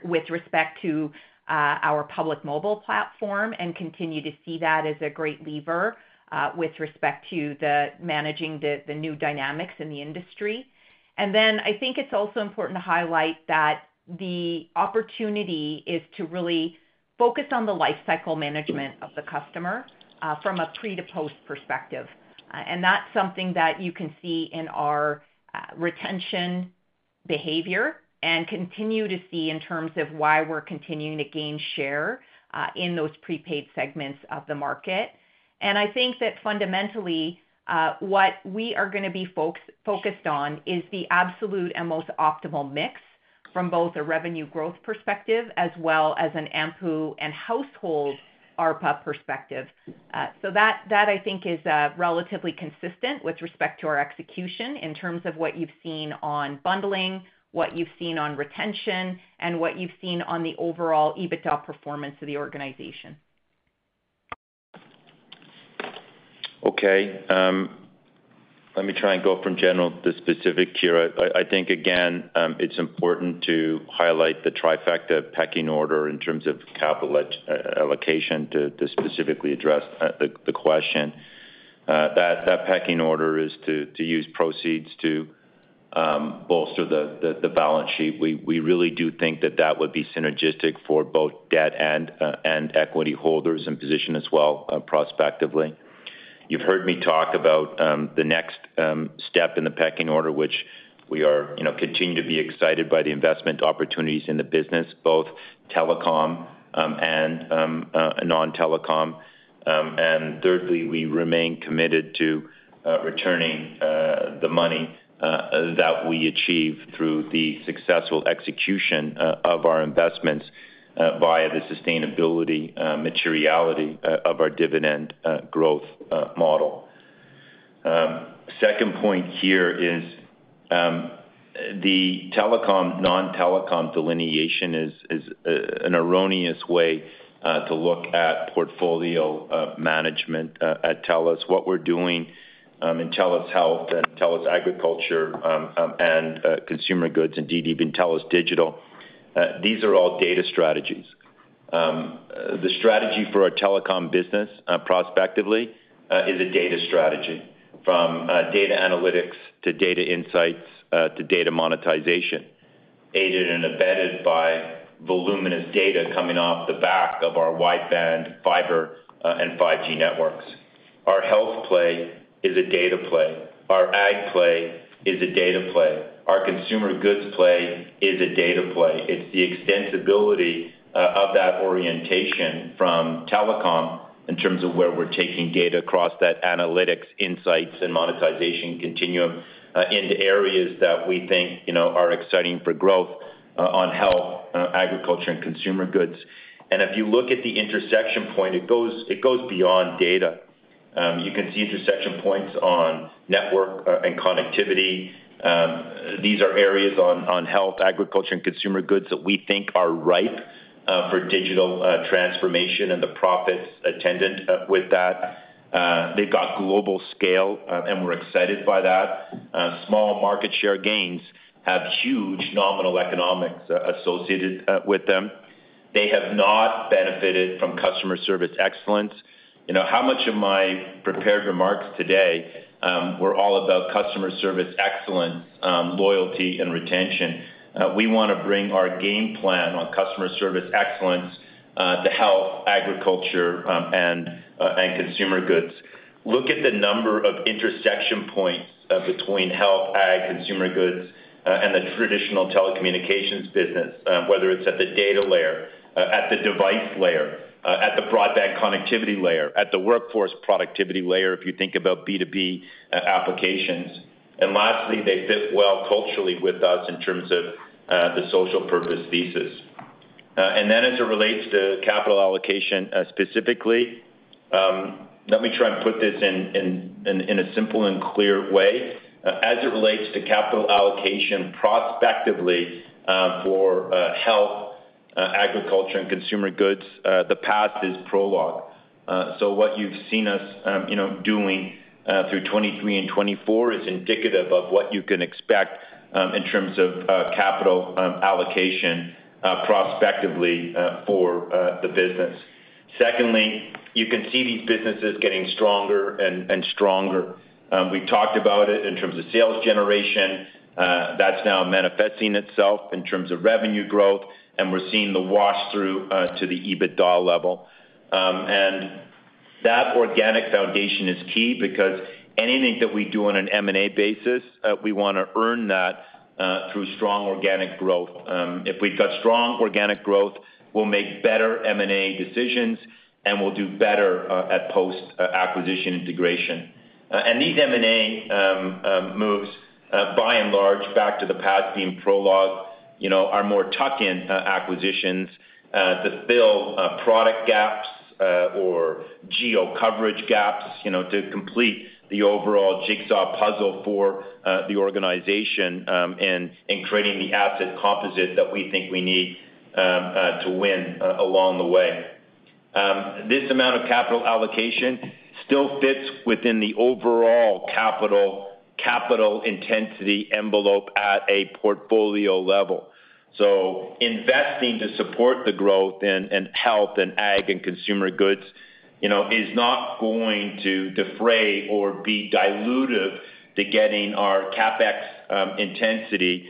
with respect to our Public Mobile platform and continue to see that as a great lever with respect to managing the new dynamics in the industry. Then I think it's also important to highlight that the opportunity is to really focus on the lifecycle management of the customer from a pre-to-post perspective. That's something that you can see in our retention behavior and continue to see in terms of why we're continuing to gain share in those prepaid segments of the market. I think that fundamentally, what we are going to be focused on is the absolute and most optimal mix from both a revenue growth perspective as well as an AMPU and household ARPA perspective. That, I think, is relatively consistent with respect to our execution in terms of what you've seen on bundling, what you've seen on retention, and what you've seen on the overall EBITDA performance of the organization. Okay. Let me try and go from general to specific here. I think, again, it's important to highlight the trifecta pecking order in terms of capital allocation to specifically address the question. That pecking order is to use proceeds to bolster the balance sheet. We really do think that that would be synergistic for both debt and equity holders in position as well prospectively. You've heard me talk about the next step in the pecking order, which we continue to be excited by the investment opportunities in the business, both telecom and non-telecom, and thirdly, we remain committed to returning the money that we achieve through the successful execution of our investments via the sustainability materiality of our dividend growth model. Second point here is the telecom/non-telecom delineation is an erroneous way to look at portfolio management at TELUS. What we're doing in TELUS Health and TELUS Agriculture and Consumer Goods and TI being TELUS Digital, these are all data strategies. The strategy for our telecom business prospectively is a data strategy from data analytics to data insights to data monetization, aided and embedded by voluminous data coming off the back of our wideband fiber and 5G networks. Our health play is a data play. Our ag play is a data play. Our consumer goods play is a data play. It's the extensibility of that orientation from telecom in terms of where we're taking data across that analytics, insights, and monetization continuum into areas that we think are exciting for growth on health, agriculture, and consumer goods, and if you look at the intersection point, it goes beyond data. You can see intersection points on network and connectivity. These are areas on health, agriculture, and consumer goods that we think are ripe for digital transformation and the profits attendant with that. They've got global scale, and we're excited by that. Small market share gains have huge nominal economics associated with them. They have not benefited from customer service excellence. How much of my prepared remarks today were all about customer service excellence, loyalty, and retention? We want to bring our game plan on customer service excellence to health, agriculture, and consumer goods. Look at the number of intersection points between health, ag, consumer goods, and the traditional telecommunications business, whether it's at the data layer, at the device layer, at the broadband connectivity layer, at the workforce productivity layer if you think about B2B applications. And lastly, they fit well culturally with us in terms of the social purpose thesis. And then as it relates to capital allocation specifically, let me try and put this in a simple and clear way. As it relates to capital allocation prospectively for health, agriculture, and consumer goods, the past is prologue. So what you've seen us doing through 2023 and 2024 is indicative of what you can expect in terms of capital allocation prospectively for the business. Secondly, you can see these businesses getting stronger and stronger. We've talked about it in terms of sales generation. That's now manifesting itself in terms of revenue growth, and we're seeing the wash-through to the EBITDA level. And that organic foundation is key because anything that we do on an M&A basis, we want to earn that through strong organic growth. If we've got strong organic growth, we'll make better M&A decisions, and we'll do better at post-acquisition integration. And these M&A moves, by and large, back to the past being prologue, are more tuck-in acquisitions to fill product gaps or geo-coverage gaps to complete the overall jigsaw puzzle for the organization and creating the asset composite that we think we need to win along the way. This amount of capital allocation still fits within the overall capital intensity envelope at a portfolio level. So investing to support the growth in health and ag and consumer goods is not going to delay or be dilutive to getting our CapEx intensity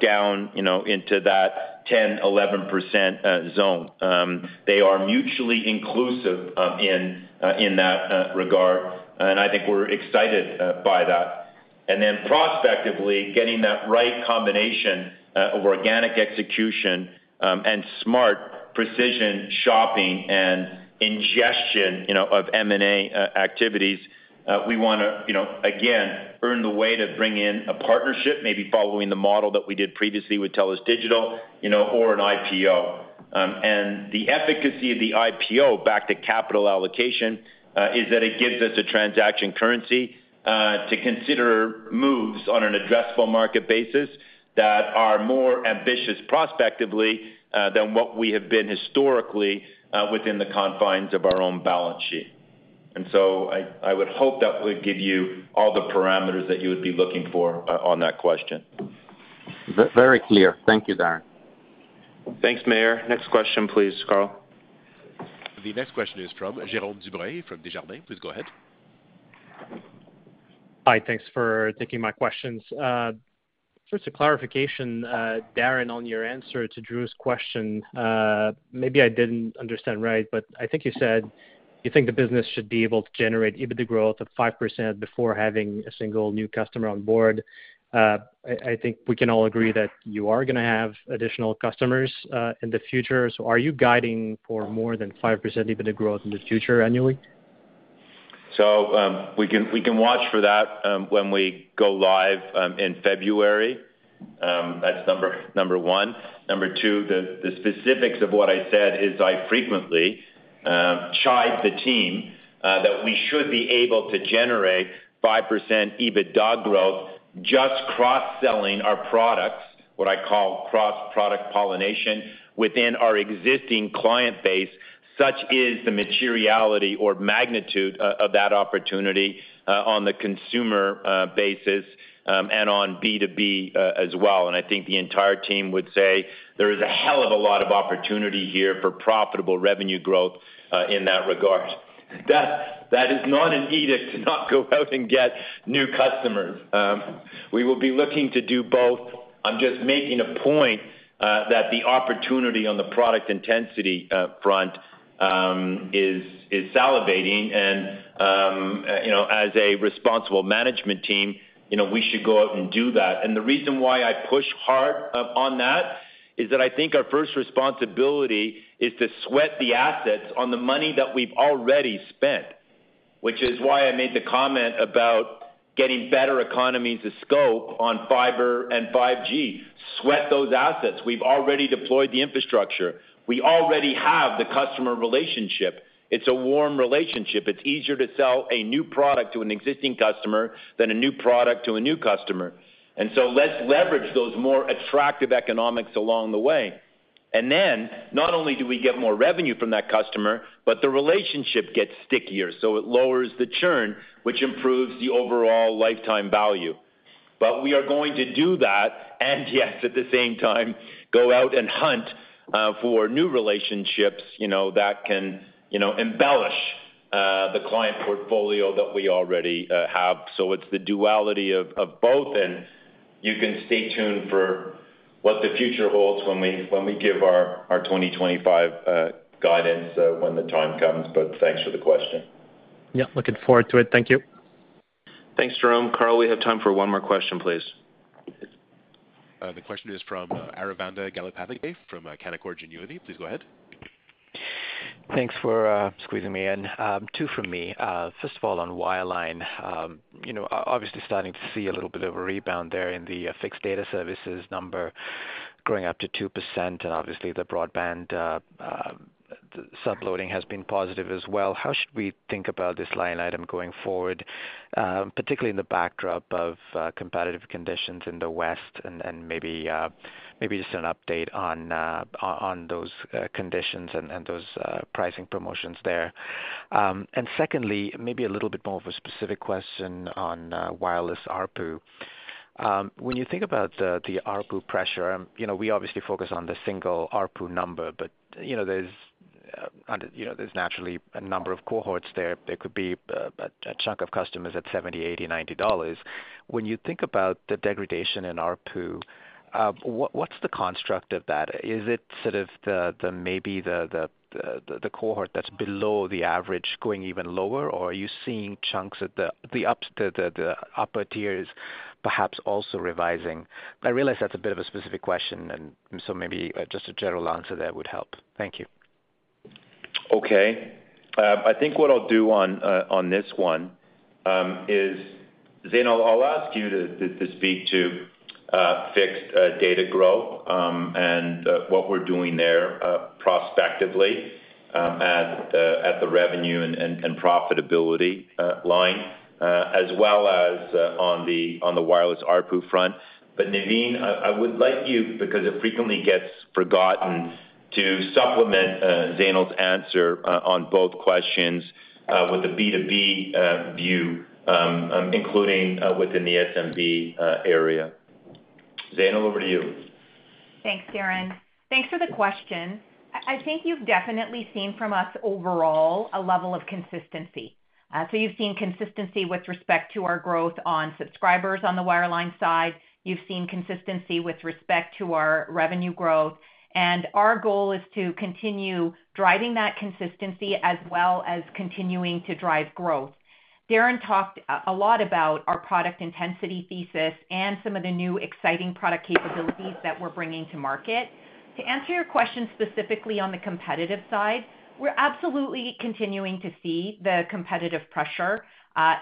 down into that 10%-11% zone. They are mutually inclusive in that regard. And I think we're excited by that. And then prospectively, getting that right combination of organic execution and smart precision shopping and ingestion of M&A activities, we want to, again, earn the way to bring in a partnership, maybe following the model that we did previously with TELUS Digital, or an IPO. And the efficacy of the IPO back to capital allocation is that it gives us a transaction currency to consider moves on an addressable market basis that are more ambitious prospectively than what we have been historically within the confines of our own balance sheet. And so I would hope that would give you all the parameters that you would be looking for on that question. Very clear. Thank you, Darren. Thanks, Maher. Next question, please, Carl. The next question is from Jérôme Dubreuil from Desjardins. Please go ahead. Hi. Thanks for taking my questions. First, a clarification, Darren, on your answer to Drew's question. Maybe I didn't understand right, but I think you said you think the business should be able to generate EBITDA growth of 5% before having a single new customer on board. I think we can all agree that you are going to have additional customers in the future. So are you guiding for more than 5% EBITDA growth in the future annually? So we can watch for that when we go live in February. That's number one. Number two, the specifics of what I said is I frequently chide the team that we should be able to generate 5% EBITDA growth just cross-selling our products, what I call cross-product pollination, within our existing client base, such is the materiality or magnitude of that opportunity on the consumer basis and on B2B as well. I think the entire team would say there is a hell of a lot of opportunity here for profitable revenue growth in that regard. That is not an edict to not go out and get new customers. We will be looking to do both. I'm just making a point that the opportunity on the product intensity front is salivating. As a responsible management team, we should go out and do that. The reason why I push hard on that is that I think our first responsibility is to sweat the assets on the money that we've already spent, which is why I made the comment about getting better economies of scope on fiber and 5G. Sweat those assets. We've already deployed the infrastructure. We already have the customer relationship. It's a warm relationship. It's easier to sell a new product to an existing customer than a new product to a new customer. And so let's leverage those more attractive economics along the way. And then not only do we get more revenue from that customer, but the relationship gets stickier. So it lowers the churn, which improves the overall lifetime value. But we are going to do that and, yes, at the same time, go out and hunt for new relationships that can embellish the client portfolio that we already have. So it's the duality of both. And you can stay tuned for what the future holds when we give our 2025 guidance when the time comes. But thanks for the question. Yep. Looking forward to it. Thank you. Thanks, Jérôme. Carl, we have time for one more question, please. The question is from Aravinda Galappatthige from Canaccord Genuity. Please go ahead. Thanks for squeezing me in. Two from me. First of all, on wireline, obviously starting to see a little bit of a rebound there in the fixed data services number growing up to 2%, and obviously, the broadband subloading has been positive as well. How should we think about this line item going forward, particularly in the backdrop of competitive conditions in the West? And maybe just an update on those conditions and those pricing promotions there. And secondly, maybe a little bit more of a specific question on wireless ARPU. When you think about the ARPU pressure, we obviously focus on the single ARPU number, but there's naturally a number of cohorts there. There could be a chunk of customers at 70, 80, 90 dollars. When you think about the degradation in ARPU, what's the construct of that? Is it sort of maybe the cohort that's below the average going even lower, or are you seeing chunks at the upper tiers perhaps also revising? I realize that's a bit of a specific question, and so maybe just a general answer there would help. Thank you. Okay. I think what I'll do on this one is, Zainul, I'll ask you to speak to fixed data growth and what we're doing there prospectively at the revenue and profitability line, as well as on the wireless ARPU front. But Navin, I would like you, because it frequently gets forgotten, to supplement Zainul's answer on both questions with the B2B view, including within the SMB area. Zainul, over to you. Thanks, Darren. Thanks for the question. I think you've definitely seen from us overall a level of consistency. So you've seen consistency with respect to our growth on subscribers on the wireline side. You've seen consistency with respect to our revenue growth. And our goal is to continue driving that consistency as well as continuing to drive growth. Darren talked a lot about our product intensity thesis and some of the new exciting product capabilities that we're bringing to market. To answer your question specifically on the competitive side, we're absolutely continuing to see the competitive pressure.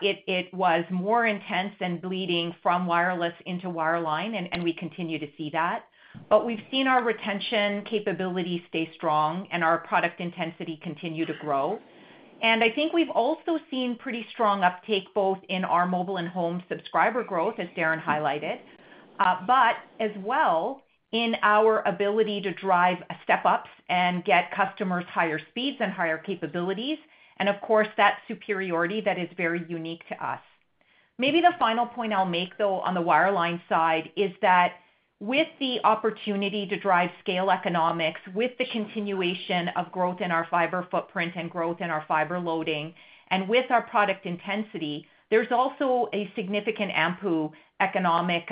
It was more intense and bleeding from wireless into wireline, and we continue to see that. But we've seen our retention capability stay strong and our product intensity continue to grow. And I think we've also seen pretty strong uptake both in our mobile and home subscriber growth, as Darren highlighted, but as well in our ability to drive step-ups and get customers higher speeds and higher capabilities. And of course, that superiority that is very unique to us. Maybe the final point I'll make, though, on the wireline side is that with the opportunity to drive scale economics, with the continuation of growth in our fiber footprint and growth in our fiber loading, and with our product intensity, there's also a significant AMPU economic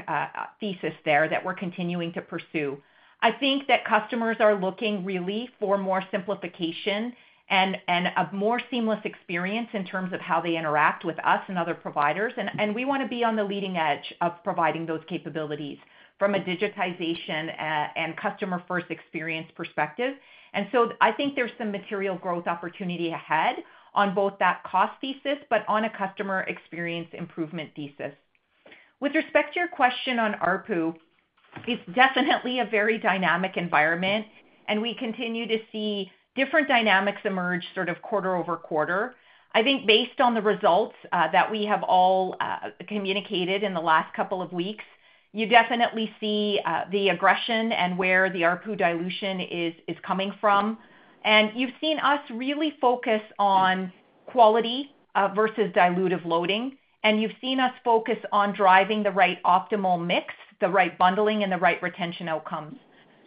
thesis there that we're continuing to pursue. I think that customers are looking really for more simplification and a more seamless experience in terms of how they interact with us and other providers. And we want to be on the leading edge of providing those capabilities from a digitization and customer-first experience perspective. And so I think there's some material growth opportunity ahead on both that cost thesis, but on a customer experience improvement thesis. With respect to your question on ARPU, it's definitely a very dynamic environment, and we continue to see different dynamics emerge sort of quarter-over-quarter. I think based on the results that we have all communicated in the last couple of weeks, you definitely see the aggression and where the ARPU dilution is coming from. And you've seen us really focus on quality versus dilutive loading, and you've seen us focus on driving the right optimal mix, the right bundling, and the right retention outcomes.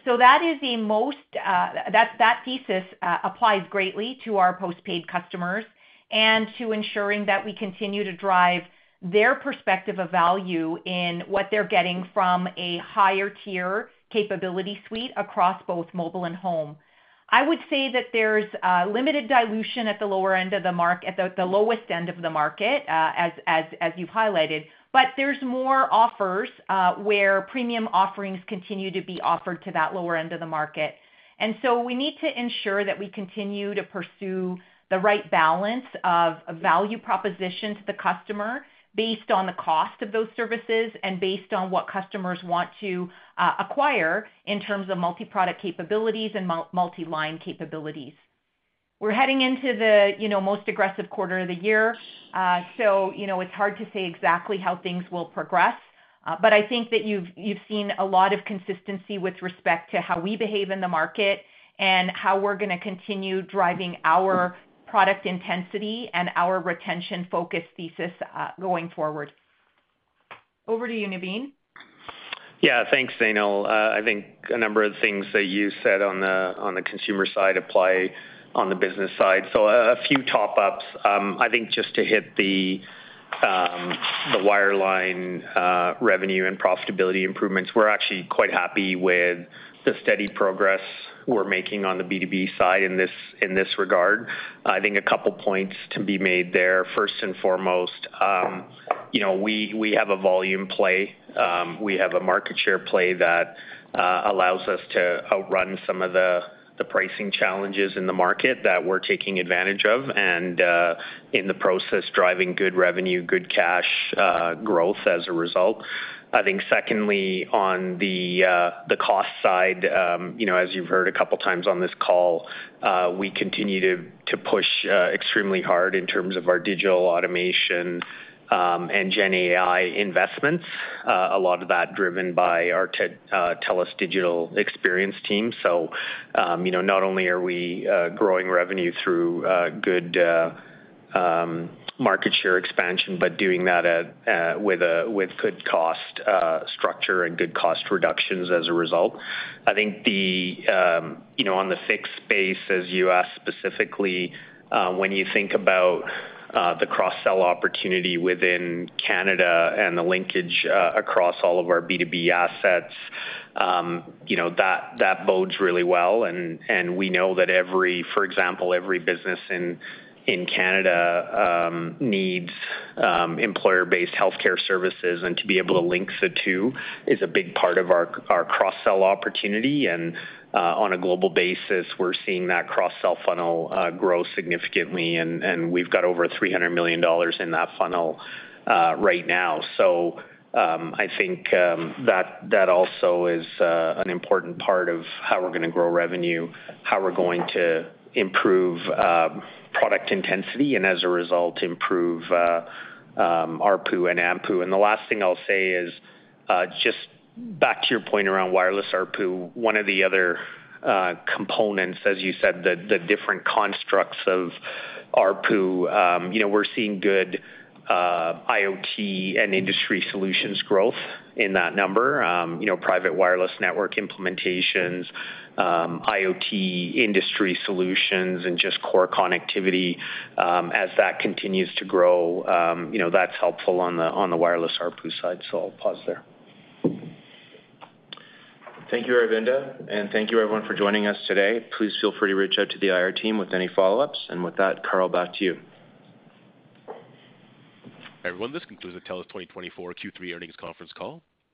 So that is the most that thesis applies greatly to our postpaid customers and to ensuring that we continue to drive their perspective of value in what they're getting from a higher-tier capability suite across both mobile and home. I would say that there's limited dilution at the lower end of the market, at the lowest end of the market, as you've highlighted, but there's more offers where premium offerings continue to be offered to that lower end of the market. And so we need to ensure that we continue to pursue the right balance of value proposition to the customer based on the cost of those services and based on what customers want to acquire in terms of multi-product capabilities and multi-line capabilities. We're heading into the most aggressive quarter of the year, so it's hard to say exactly how things will progress. But I think that you've seen a lot of consistency with respect to how we behave in the market and how we're going to continue driving our product intensity and our retention focus thesis going forward. Over to you, Navin. Yeah. Thanks, Zainul. I think a number of things that you said on the consumer side apply on the business side. So a few top-ups. I think just to hit the wireline revenue and profitability improvements, we're actually quite happy with the steady progress we're making on the B2B side in this regard. I think a couple of points to be made there. First and foremost, we have a volume play. We have a market share play that allows us to outrun some of the pricing challenges in the market that we're taking advantage of and, in the process, driving good revenue, good cash growth as a result. I think secondly, on the cost side, as you've heard a couple of times on this call, we continue to push extremely hard in terms of our digital automation and GenAI investments, a lot of that driven by our TELUS Digital experience team. So not only are we growing revenue through good market share expansion, but doing that with good cost structure and good cost reductions as a result. I think on the fixed base, as you asked specifically, when you think about the cross-sell opportunity within Canada and the linkage across all of our B2B assets, that bodes really well. And we know that, for example, every business in Canada needs employer-based healthcare services, and to be able to link the two is a big part of our cross-sell opportunity. And on a global basis, we're seeing that cross-sell funnel grow significantly, and we've got over 300 million dollars in that funnel right now. So I think that also is an important part of how we're going to grow revenue, how we're going to improve product intensity, and as a result, improve ARPU and AMPU. And the last thing I'll say is just back to your point around wireless ARPU, one of the other components, as you said, the different constructs of ARPU. We're seeing good IoT and industry solutions growth in that number, private wireless network implementations, IoT industry solutions, and just core connectivity. As that continues to grow, that's helpful on the wireless ARPU side. So I'll pause there. Thank you, Aravinda. And thank you, everyone, for joining us today. Please feel free to reach out to the IR team with any follow-ups. And with that, Carl, back to you. Everyone, this concludes the TELUS 2024 Q3 earnings conference call.